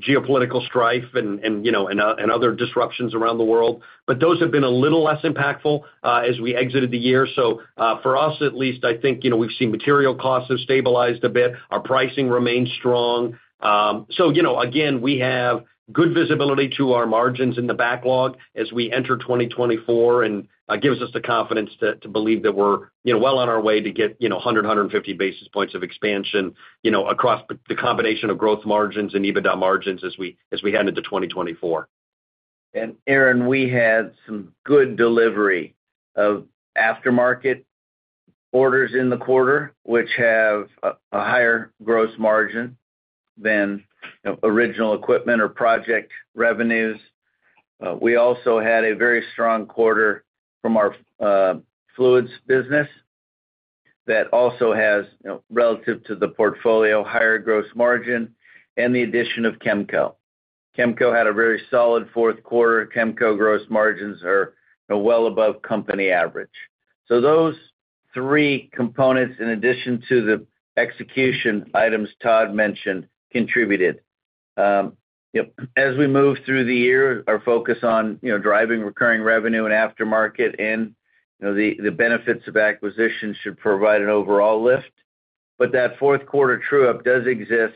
geopolitical strife and other disruptions around the world. But those have been a little less impactful as we exited the year. So for us, at least, I think we've seen material costs have stabilized a bit. Our pricing remains strong. So again, we have good visibility to our margins in the backlog as we enter 2024, and it gives us the confidence to believe that we're well on our way to get 100, 150 basis points of expansion across the combination of growth margins and EBITDA margins as we head into 2024. And Aaron, we had some good delivery of aftermarket orders in the quarter, which have a higher gross margin than original equipment or project revenues. We also had a very strong quarter from our fluids business that also has, relative to the portfolio, higher gross margin and the addition of Chemco. Chemco had a very solid fourth quarter. Chemco gross margins are well above company average. So those three components, in addition to the execution items Todd mentioned, contributed. As we move through the year, our focus on driving recurring revenue and aftermarket and the benefits of acquisition should provide an overall lift. But that fourth quarter true-up does exist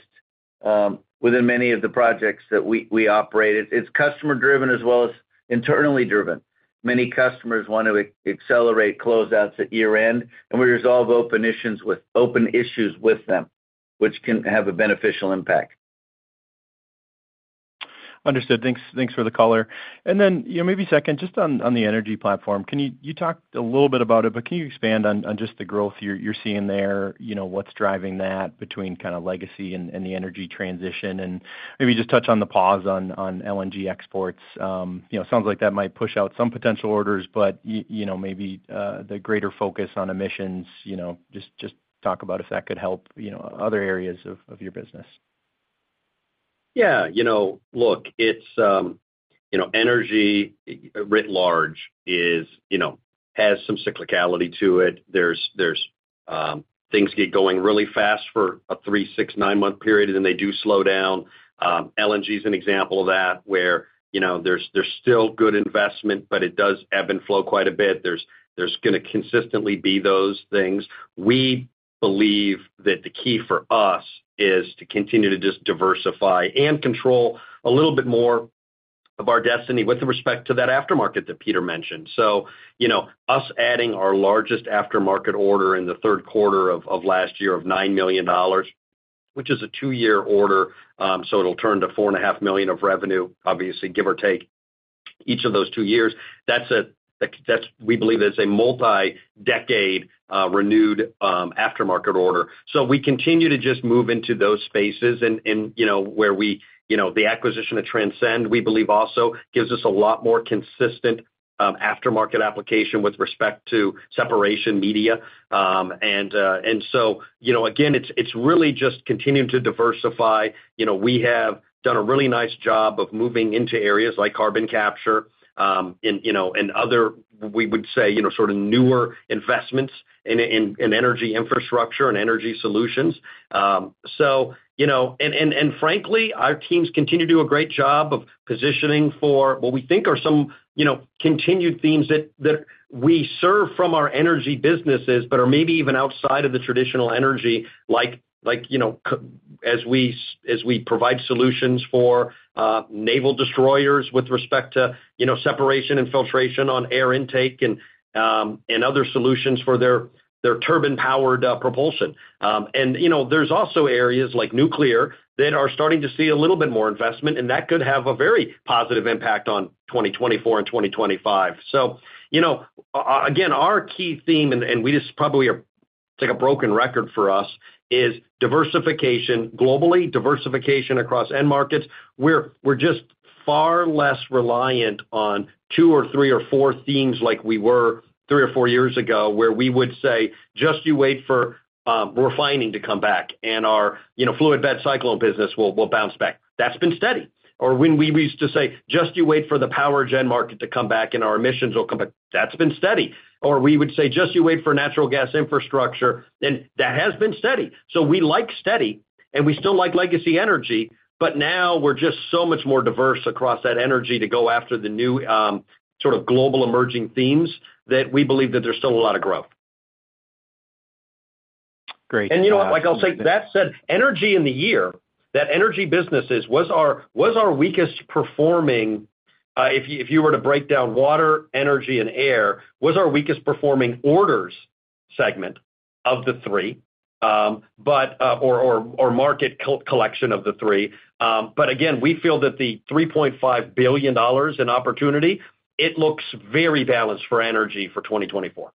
within many of the projects that we operate. It's customer-driven as well as internally driven. Many customers want to accelerate closeouts at year-end, and we resolve open issues with them, which can have a beneficial impact. Understood. Thanks for the caller. And then maybe second, just on the energy platform, you talked a little bit about it, but can you expand on just the growth you're seeing there, what's driving that between kind of legacy and the energy transition, and maybe just touch on the pause on LNG exports? Sounds like that might push out some potential orders, but maybe the greater focus on emissions. Just talk about if that could help other areas of your business. Yeah. Look, energy writ large has some cyclicality to it. Things get going really fast for a 3, 6, 9-month period, and then they do slow down. LNG is an example of that where there's still good investment, but it does ebb and flow quite a bit. There's going to consistently be those things. We believe that the key for us is to continue to just diversify and control a little bit more of our destiny with respect to that aftermarket that Peter mentioned. So us adding our largest aftermarket order in the third quarter of last year of $9 million, which is a 2-year order, so it'll turn to $4.5 million of revenue, obviously, give or take, each of those 2 years. We believe that's a multi-decade renewed aftermarket order. So we continue to just move into those spaces and where the acquisition of Transcend, we believe, also gives us a lot more consistent aftermarket application with respect to separation media. And so again, it's really just continuing to diversify. We have done a really nice job of moving into areas like carbon capture and other, we would say, sort of newer investments in energy infrastructure and energy solutions. And frankly, our teams continue to do a great job of positioning for what we think are some continued themes that we serve from our energy businesses but are maybe even outside of the traditional energy, like as we provide solutions for naval destroyers with respect to separation and filtration on air intake and other solutions for their turbine-powered propulsion. And there's also areas like nuclear that are starting to see a little bit more investment, and that could have a very positive impact on 2024 and 2025. So again, our key theme, and we just probably are it's like a broken record for us, is globally diversification across end markets. We're just far less reliant on two or three or four themes like we were three or four years ago where we would say, "Just you wait for refining to come back, and our Fluid Bed Cyclone business will bounce back." That's been steady. Or when we used to say, "Just you wait for the power gen market to come back, and our emissions will come back," that's been steady. Or we would say, "Just you wait for natural gas infrastructure," and that has been steady. So we like steady, and we still like legacy energy, but now we're just so much more diverse across that energy to go after the new sort of global emerging themes that we believe that there's still a lot of growth. Great. And you know what? I'll say that said, energy in the year, that energy businesses was our weakest performing if you were to break down water, energy, and air, was our weakest performing orders segment of the three or market collection of the three. But again, we feel that the $3.5 billion in opportunity, it looks very balanced for energy for 2024.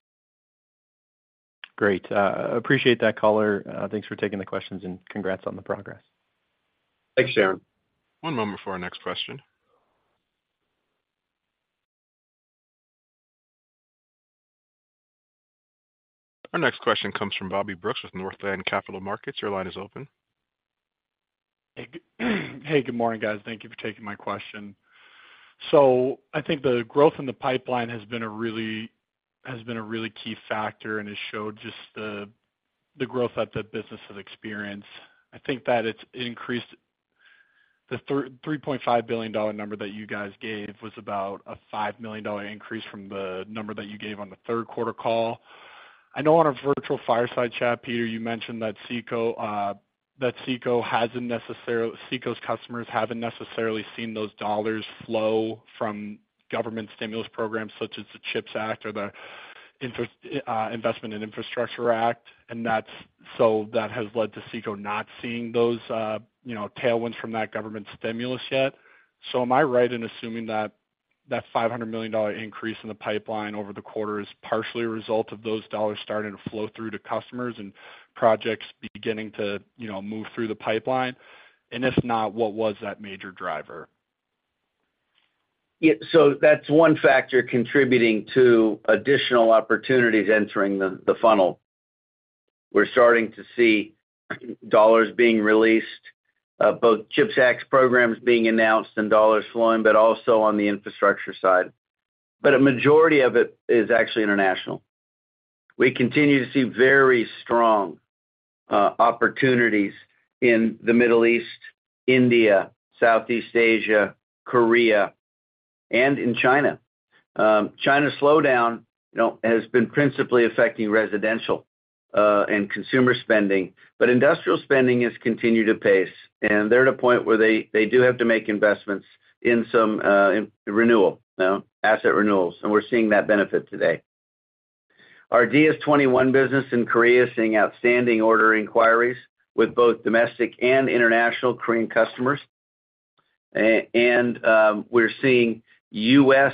Great. Appreciate that, caller. Thanks for taking the questions, and congrats on the progress. Thanks, Aaron. One moment for our next question. Our next question comes from Bobby Brooks with Northland Capital Markets. Your line is open. Hey. Good morning, guys. Thank you for taking my question. So I think the growth in the pipeline has been a really key factor and has showed just the growth that the business has experienced. I think that it's increased. The $3.5 billion number that you guys gave was about a $5 million increase from the number that you gave on the third quarter call. I know on our virtual fireside chat, Peter, you mentioned that CECO's customers haven't necessarily seen those dollars flow from government stimulus programs such as the CHIPS Act or the Investment in Infrastructure Act. And so that has led to CECO not seeing those tailwinds from that government stimulus yet. So am I right in assuming that that $500 million increase in the pipeline over the quarter is partially a result of those dollars starting to flow through to customers and projects beginning to move through the pipeline? And if not, what was that major driver? Yeah. So that's one factor contributing to additional opportunities entering the funnel. We're starting to see dollars being released, both CHIPS Act programs being announced and dollars flowing, but also on the infrastructure side. But a majority of it is actually international. We continue to see very strong opportunities in the Middle East, India, Southeast Asia, Korea, and in China. China slowdown has been principally affecting residential and consumer spending, but industrial spending has continued to pace, and they're at a point where they do have to make investments in some renewal, asset renewals, and we're seeing that benefit today. Our DS21 business in Korea is seeing outstanding order inquiries with both domestic and international Korean customers. And we're seeing U.S.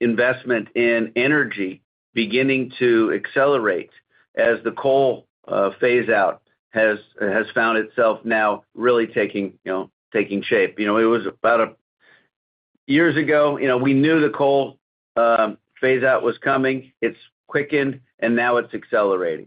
investment in energy beginning to accelerate as the coal phase-out has found itself now really taking shape. It was about a year ago. We knew the coal phase-out was coming. It's quickened, and now it's accelerating.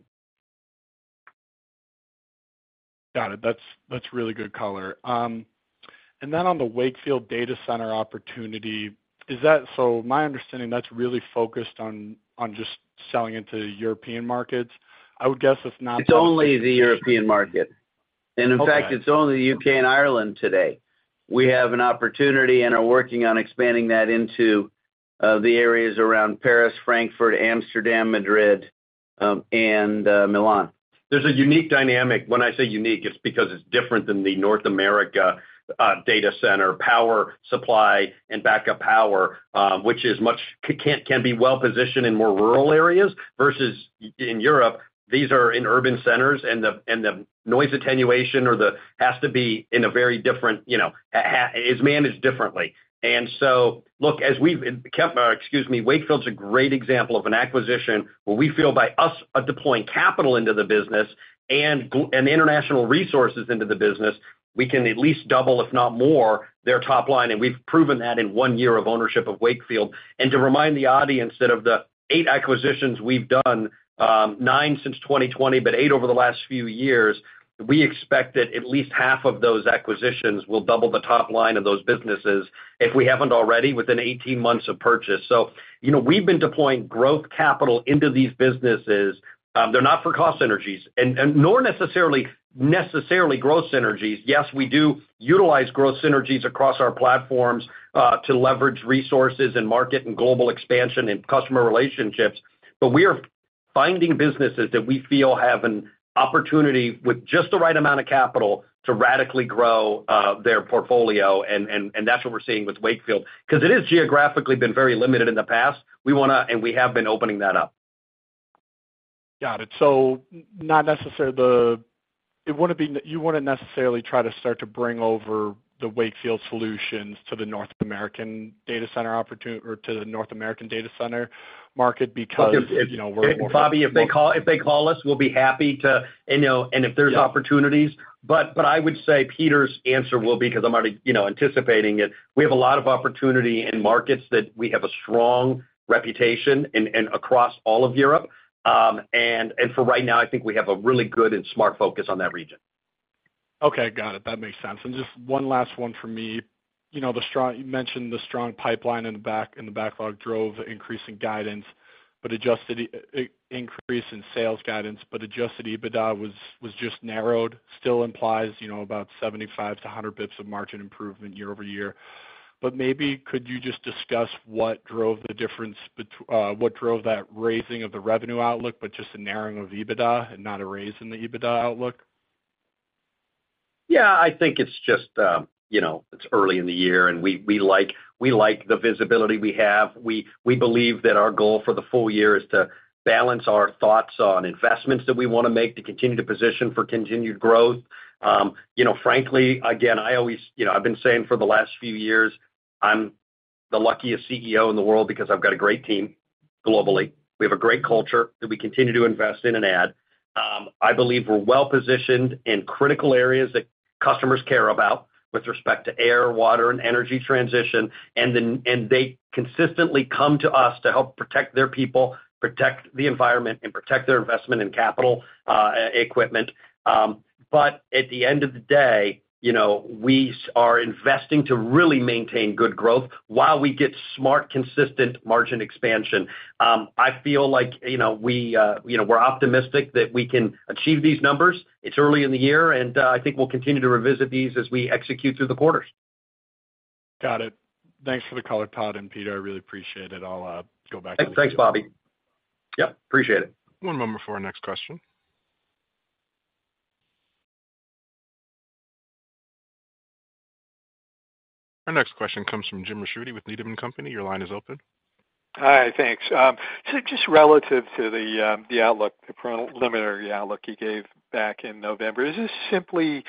Got it. That's really good color. And then on the Wakefield data center opportunity, is that so my understanding, that's really focused on just selling into European markets? I would guess it's not. It's only the European market. And in fact, it's only the U.K. and Ireland today. We have an opportunity and are working on expanding that into the areas around Paris, Frankfurt, Amsterdam, Madrid, and Milan. There's a unique dynamic. When I say unique, it's because it's different than the North America data center, power supply, and backup power, which can be well-positioned in more rural areas versus in Europe. These are in urban centers, and the noise attenuation has to be in a very different, it's managed differently. And so look, as we've kept—excuse me. Wakefield's a great example of an acquisition where we feel by us deploying capital into the business and international resources into the business, we can at least double, if not more, their top line. And we've proven that in one year of ownership of Wakefield. And to remind the audience that of the eight acquisitions we've done, nine since 2020, but eight over the last few years, we expect that at least half of those acquisitions will double the top line of those businesses if we haven't already within 18 months of purchase. So we've been deploying growth capital into these businesses. They're not for cost synergies nor necessarily growth synergies. Yes, we do utilize growth synergies across our platforms to leverage resources and market and global expansion and customer relationships. But we are finding businesses that we feel have an opportunity with just the right amount of capital to radically grow their portfolio. And that's what we're seeing with Wakefield because it has geographically been very limited in the past. We want to and we have been opening that up. Got it. So not necessarily. You wouldn't necessarily try to start to bring over the Wakefield solutions to the North American data center or to the North American data center market because we're more. And Bobby, if they call us, we'll be happy to and if there's opportunities. But I would say Peter's answer will be because I'm already anticipating it. We have a lot of opportunity in markets that we have a strong reputation in across all of Europe. And for right now, I think we have a really good and smart focus on that region. Okay. Got it. That makes sense. And just one last one for me. You mentioned the strong pipeline in the backlog drove increasing guidance, but adjusted increase in sales guidance, but adjusted EBITDA was just narrowed, still implies about 75-100 basis points of margin improvement year-over-year. But maybe could you just discuss what drove the difference, what drove that raising of the revenue outlook, but just a narrowing of EBITDA and not a raise in the EBITDA outlook? Yeah. I think it's just early in the year, and we like the visibility we have. We believe that our goal for the full year is to balance our thoughts on investments that we want to make to continue to position for continued growth. Frankly, again, I always, I've been saying for the last few years, I'm the luckiest CEO in the world because I've got a great team globally. We have a great culture that we continue to invest in and add. I believe we're well-positioned in critical areas that customers care about with respect to air, water, and energy transition, and they consistently come to us to help protect their people, protect the environment, and protect their investment in capital equipment. But at the end of the day, we are investing to really maintain good growth while we get smart, consistent margin expansion. I feel like we're optimistic that we can achieve these numbers. It's early in the year, and I think we'll continue to revisit these as we execute through the quarters. Got it. Thanks for the call, Todd and Peter. I really appreciate it. I'll go back to the meeting. Thanks, Bobby. Yep. Appreciate it. One moment for our next question. Our next question comes from Jim Ricchiuti with Needham & Company. Your line is open. Hi. Thanks. So just relative to the outlook, the preliminary outlook he gave back in November, is this simply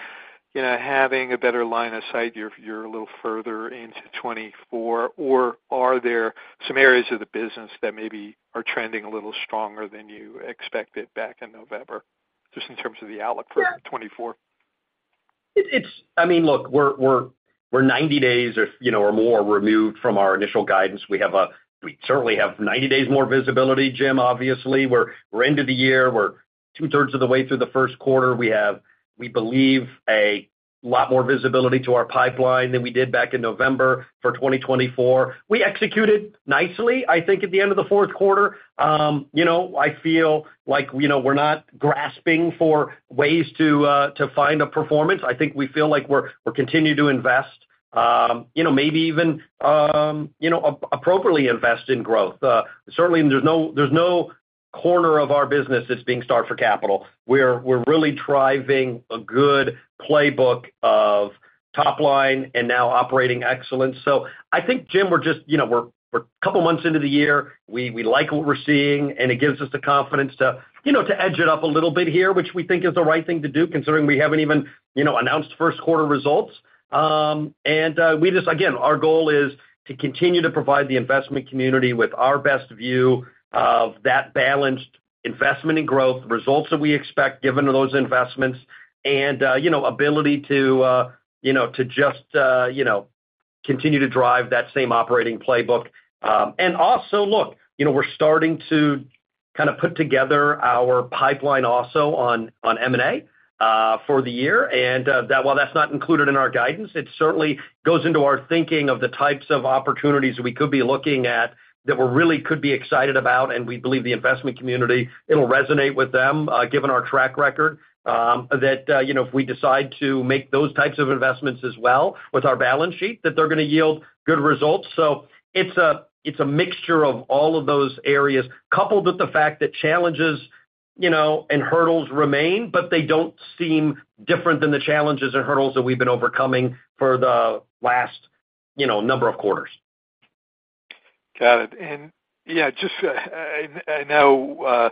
having a better line of sight? You're a little further into 2024, or are there some areas of the business that maybe are trending a little stronger than you expected back in November just in terms of the outlook for 2024? I mean, look, we're 90 days or more removed from our initial guidance. We certainly have 90 days more visibility, Jim, obviously. We're end of the year. We're two-thirds of the way through the first quarter. We believe a lot more visibility to our pipeline than we did back in November for 2024. We executed nicely, I think, at the end of the fourth quarter. I feel like we're not grasping for ways to find a performance. I think we feel like we're continuing to invest, maybe even appropriately invest in growth. Certainly, there's no corner of our business that's being starved for capital. We're really driving a good playbook of top line and now operating excellence. So I think, Jim, we're just a couple of months into the year. We like what we're seeing, and it gives us the confidence to edge it up a little bit here, which we think is the right thing to do considering we haven't even announced first-quarter results. And again, our goal is to continue to provide the investment community with our best view of that balanced investment in growth, results that we expect given those investments, and ability to just continue to drive that same operating playbook. And also, look, we're starting to kind of put together our pipeline also on M&A for the year. And while that's not included in our guidance, it certainly goes into our thinking of the types of opportunities we could be looking at that we really could be excited about. And we believe the investment community, it'll resonate with them given our track record that if we decide to make those types of investments as well with our balance sheet, that they're going to yield good results. So it's a mixture of all of those areas coupled with the fact that challenges and hurdles remain, but they don't seem different than the challenges and hurdles that we've been overcoming for the last number of quarters. Got it. And yeah, just I know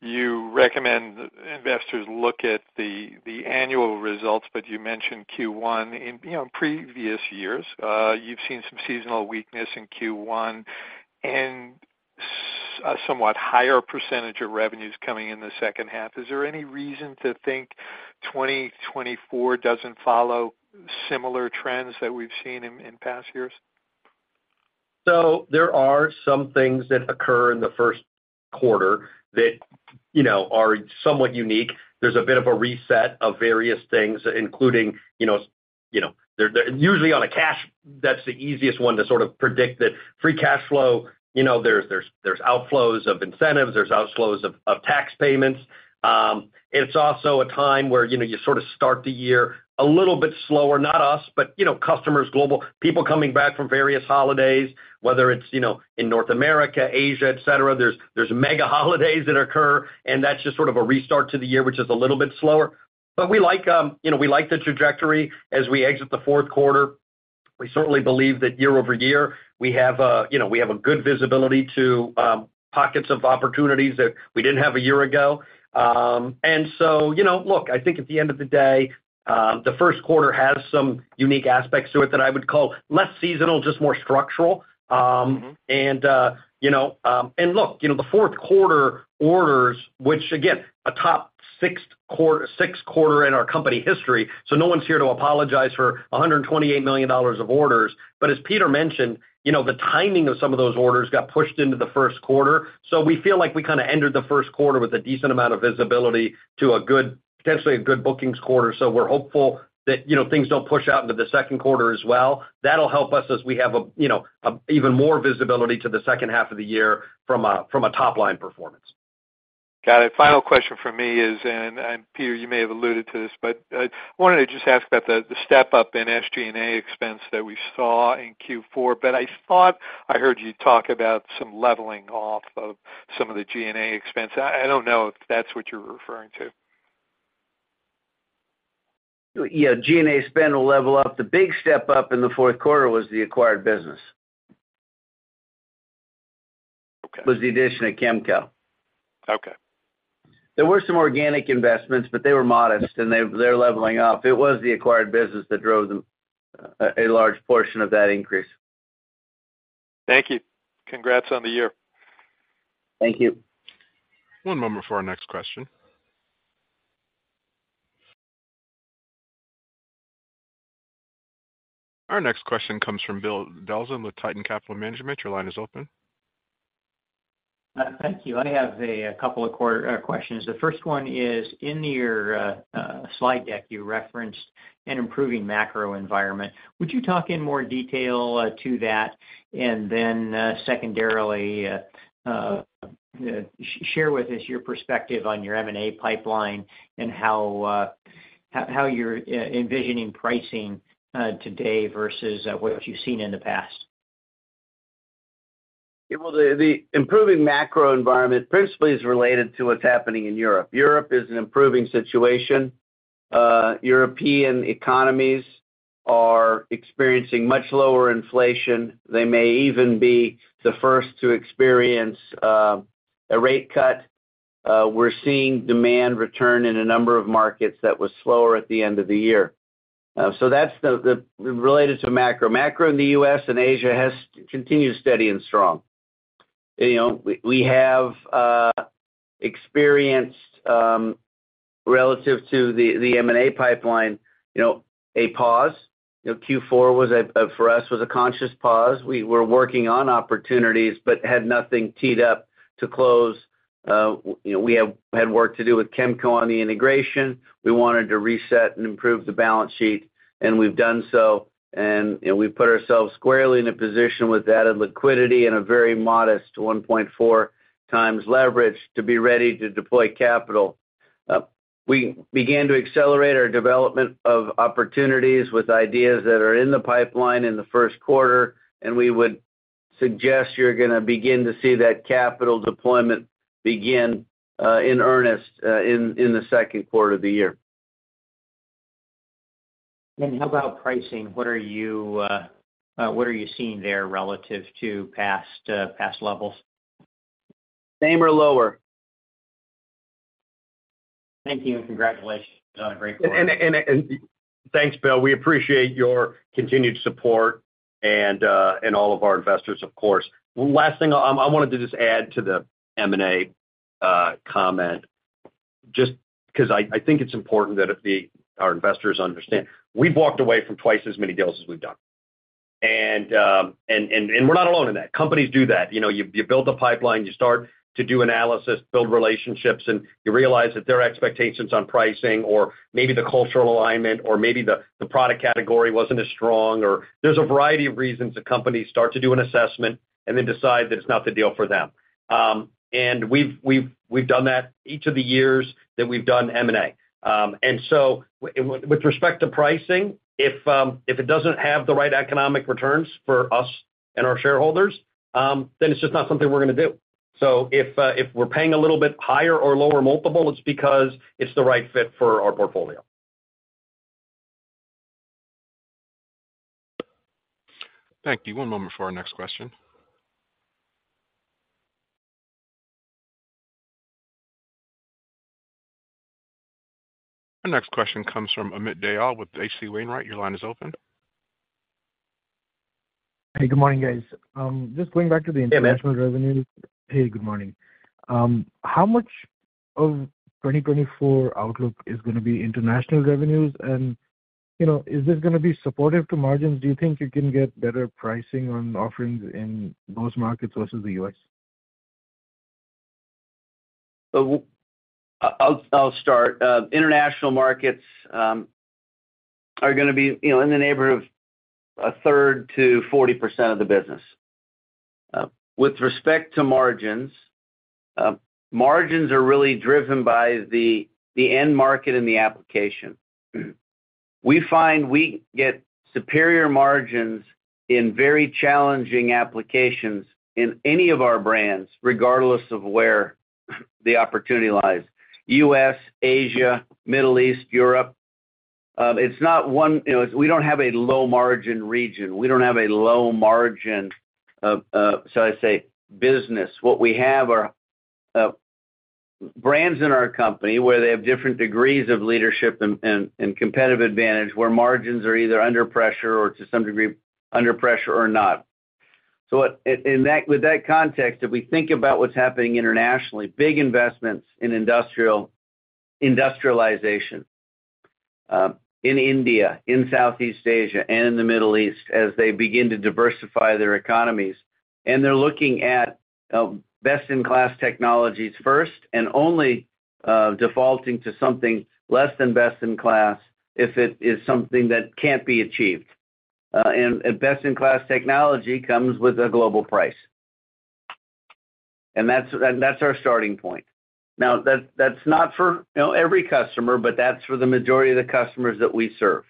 you recommend investors look at the annual results, but you mentioned Q1 in previous years. You've seen some seasonal weakness in Q1 and a somewhat higher percentage of revenues coming in the second half. Is there any reason to think 2024 doesn't follow similar trends that we've seen in past years? So there are some things that occur in the first quarter that are somewhat unique. There's a bit of a reset of various things, including usually on a cash. That's the easiest one to sort of predict that free cash flow. There's outflows of incentives. There's outflows of tax payments. It's also a time where you sort of start the year a little bit slower, not us, but customers, global, people coming back from various holidays, whether it's in North America, Asia, etc. There's mega holidays that occur, and that's just sort of a restart to the year, which is a little bit slower. But we like the trajectory as we exit the fourth quarter. We certainly believe that year-over-year, we have a good visibility to pockets of opportunities that we didn't have a year ago. And so look, I think at the end of the day, the first quarter has some unique aspects to it that I would call less seasonal, just more structural. And look, the fourth quarter orders, which again, a top six quarter in our company history. So no one's here to apologize for $128 million of orders. But as Peter mentioned, the timing of some of those orders got pushed into the first quarter. So we feel like we kind of entered the first quarter with a decent amount of visibility to potentially a good bookings quarter. So we're hopeful that things don't push out into the second quarter as well. That'll help us as we have even more visibility to the second half of the year from a top line performance. Got it. Final question for me is, and Peter, you may have alluded to this, but I wanted to just ask about the step-up in SG&A expense that we saw in Q4. But I thought I heard you talk about some leveling off of some of the G&A expense. I don't know if that's what you're referring to. Yeah. G&A spend will level up. The big step-up in the fourth quarter was the acquired business, was the addition of Chemco. There were some organic investments, but they were modest, and they're leveling up. It was the acquired business that drove a large portion of that increase. Thank you. Congrats on the year. Thank you. One moment for our next question. Our next question comes from Bill Dezellem with Tieton Capital Management. Your line is open. Thank you. I have a couple of questions. The first one is in your slide deck, you referenced an improving macro environment. Would you talk in more detail to that and then secondarily share with us your perspective on your M&A pipeline and how you're envisioning pricing today versus what you've seen in the past? Well, the improving macro environment principally is related to what's happening in Europe. Europe is an improving situation. European economies are experiencing much lower inflation. They may even be the first to experience a rate cut. We're seeing demand return in a number of markets that was slower at the end of the year. That's related to macro. Macro in the U.S. and Asia continues steady and strong. We have experienced, relative to the M&A pipeline, a pause. Q4 for us was a conscious pause. We were working on opportunities but had nothing teed up to close. We had work to do with Chemco on the integration. We wanted to reset and improve the balance sheet, and we've done so. We've put ourselves squarely in a position with added liquidity and a very modest 1.4x leverage to be ready to deploy capital. We began to accelerate our development of opportunities with ideas that are in the pipeline in the first quarter, and we would suggest you're going to begin to see that capital deployment begin in earnest in the second quarter of the year. And how about pricing? What are you seeing there relative to past levels? Same or lower. Thank you and congratulations on a great quarter. And thanks, Bill. We appreciate your continued support and all of our investors, of course. Last thing I wanted to just add to the M&A comment just because I think it's important that our investors understand. We've walked away from twice as many deals as we've done. And we're not alone in that. Companies do that. You build a pipeline, you start to do analysis, build relationships, and you realize that their expectations on pricing or maybe the cultural alignment or maybe the product category wasn't as strong. Or there's a variety of reasons that companies start to do an assessment and then decide that it's not the deal for them. And we've done that each of the years that we've done M&A. And so with respect to pricing, if it doesn't have the right economic returns for us and our shareholders, then it's just not something we're going to do. So if we're paying a little bit higher or lower multiple, it's because it's the right fit for our portfolio. Thank you. One moment for our next question. Our next question comes from Amit Dayal with H.C. Wainwright. Your line is open. Hey, good morning, guys. Just going back to the international revenues. Hey, good morning. How much of 2024 outlook is going to be international revenues, and is this going to be supportive to margins? Do you think you can get better pricing on offerings in those markets versus the U.S.? I'll start. International markets are going to be in the neighborhood of a third to 40% of the business. With respect to margins, margins are really driven by the end market and the application. We find we get superior margins in very challenging applications in any of our brands, regardless of where the opportunity lies: U.S., Asia, Middle East, Europe. It's not one we don't have a low-margin region. We don't have a low-margin, shall I say, business. What we have are brands in our company where they have different degrees of leadership and competitive advantage where margins are either under pressure or to some degree under pressure or not. So with that context, if we think about what's happening internationally, big investments in industrialization in India, in Southeast Asia, and in the Middle East as they begin to diversify their economies, and they're looking at best-in-class technologies first and only defaulting to something less than best-in-class if it is something that can't be achieved. And best-in-class technology comes with a global price. And that's our starting point. Now, that's not for every customer, but that's for the majority of the customers that we serve.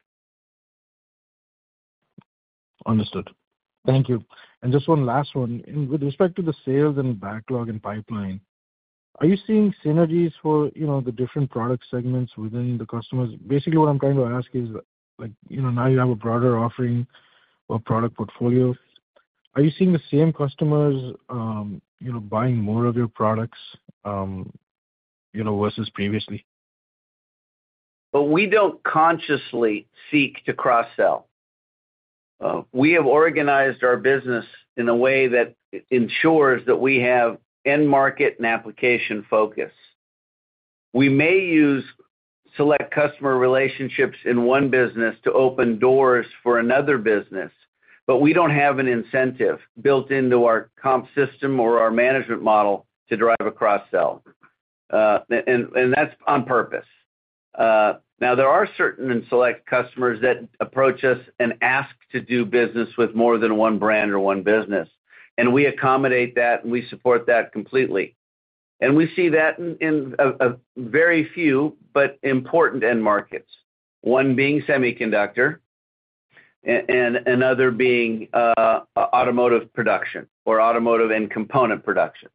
Understood. Thank you. And just one last one. With respect to the sales and backlog and pipeline, are you seeing synergies for the different product segments within the customers? Basically, what I'm trying to ask is now you have a broader offering or product portfolio. Are you seeing the same customers buying more of your products versus previously? Well, we don't consciously seek to cross-sell. We have organized our business in a way that ensures that we have end market and application focus. We may use select customer relationships in one business to open doors for another business, but we don't have an incentive built into our comp system or our management model to drive a cross-sell. That's on purpose. Now, there are certain and select customers that approach us and ask to do business with more than one brand or one business, and we accommodate that, and we support that completely. We see that in a very few but important end markets, one being semiconductor and another being automotive production or automotive and component production,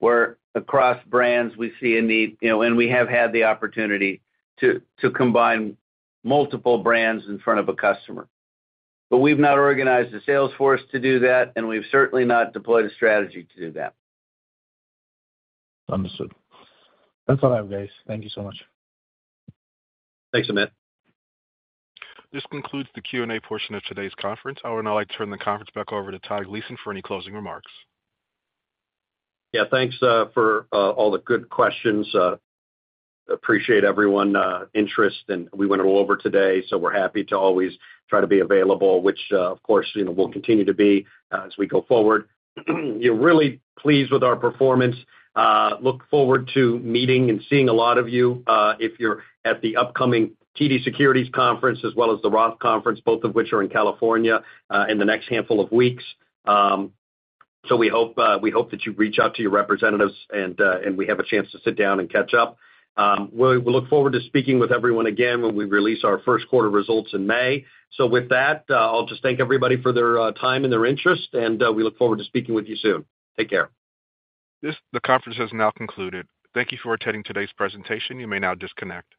where across brands, we see a need and we have had the opportunity to combine multiple brands in front of a customer. But we've not organized a sales force to do that, and we've certainly not deployed a strategy to do that. Understood. That's all I have, guys. Thank you so much. Thanks, Amit. This concludes the Q&A portion of today's conference. I would now like to turn the conference back over to Todd Gleason for any closing remarks. Yeah. Thanks for all the good questions. Appreciate everyone's interest. And we went all over today, so we're happy to always try to be available, which, of course, we'll continue to be as we go forward. Really pleased with our performance. Look forward to meeting and seeing a lot of you if you're at the upcoming TD Securities Conference as well as the Roth Conference, both of which are in California in the next handful of weeks. We hope that you reach out to your representatives, and we have a chance to sit down and catch up. We'll look forward to speaking with everyone again when we release our first quarter results in May. With that, I'll just thank everybody for their time and their interest, and we look forward to speaking with you soon. Take care. The conference has now concluded. Thank you for attending today's presentation. You may now disconnect.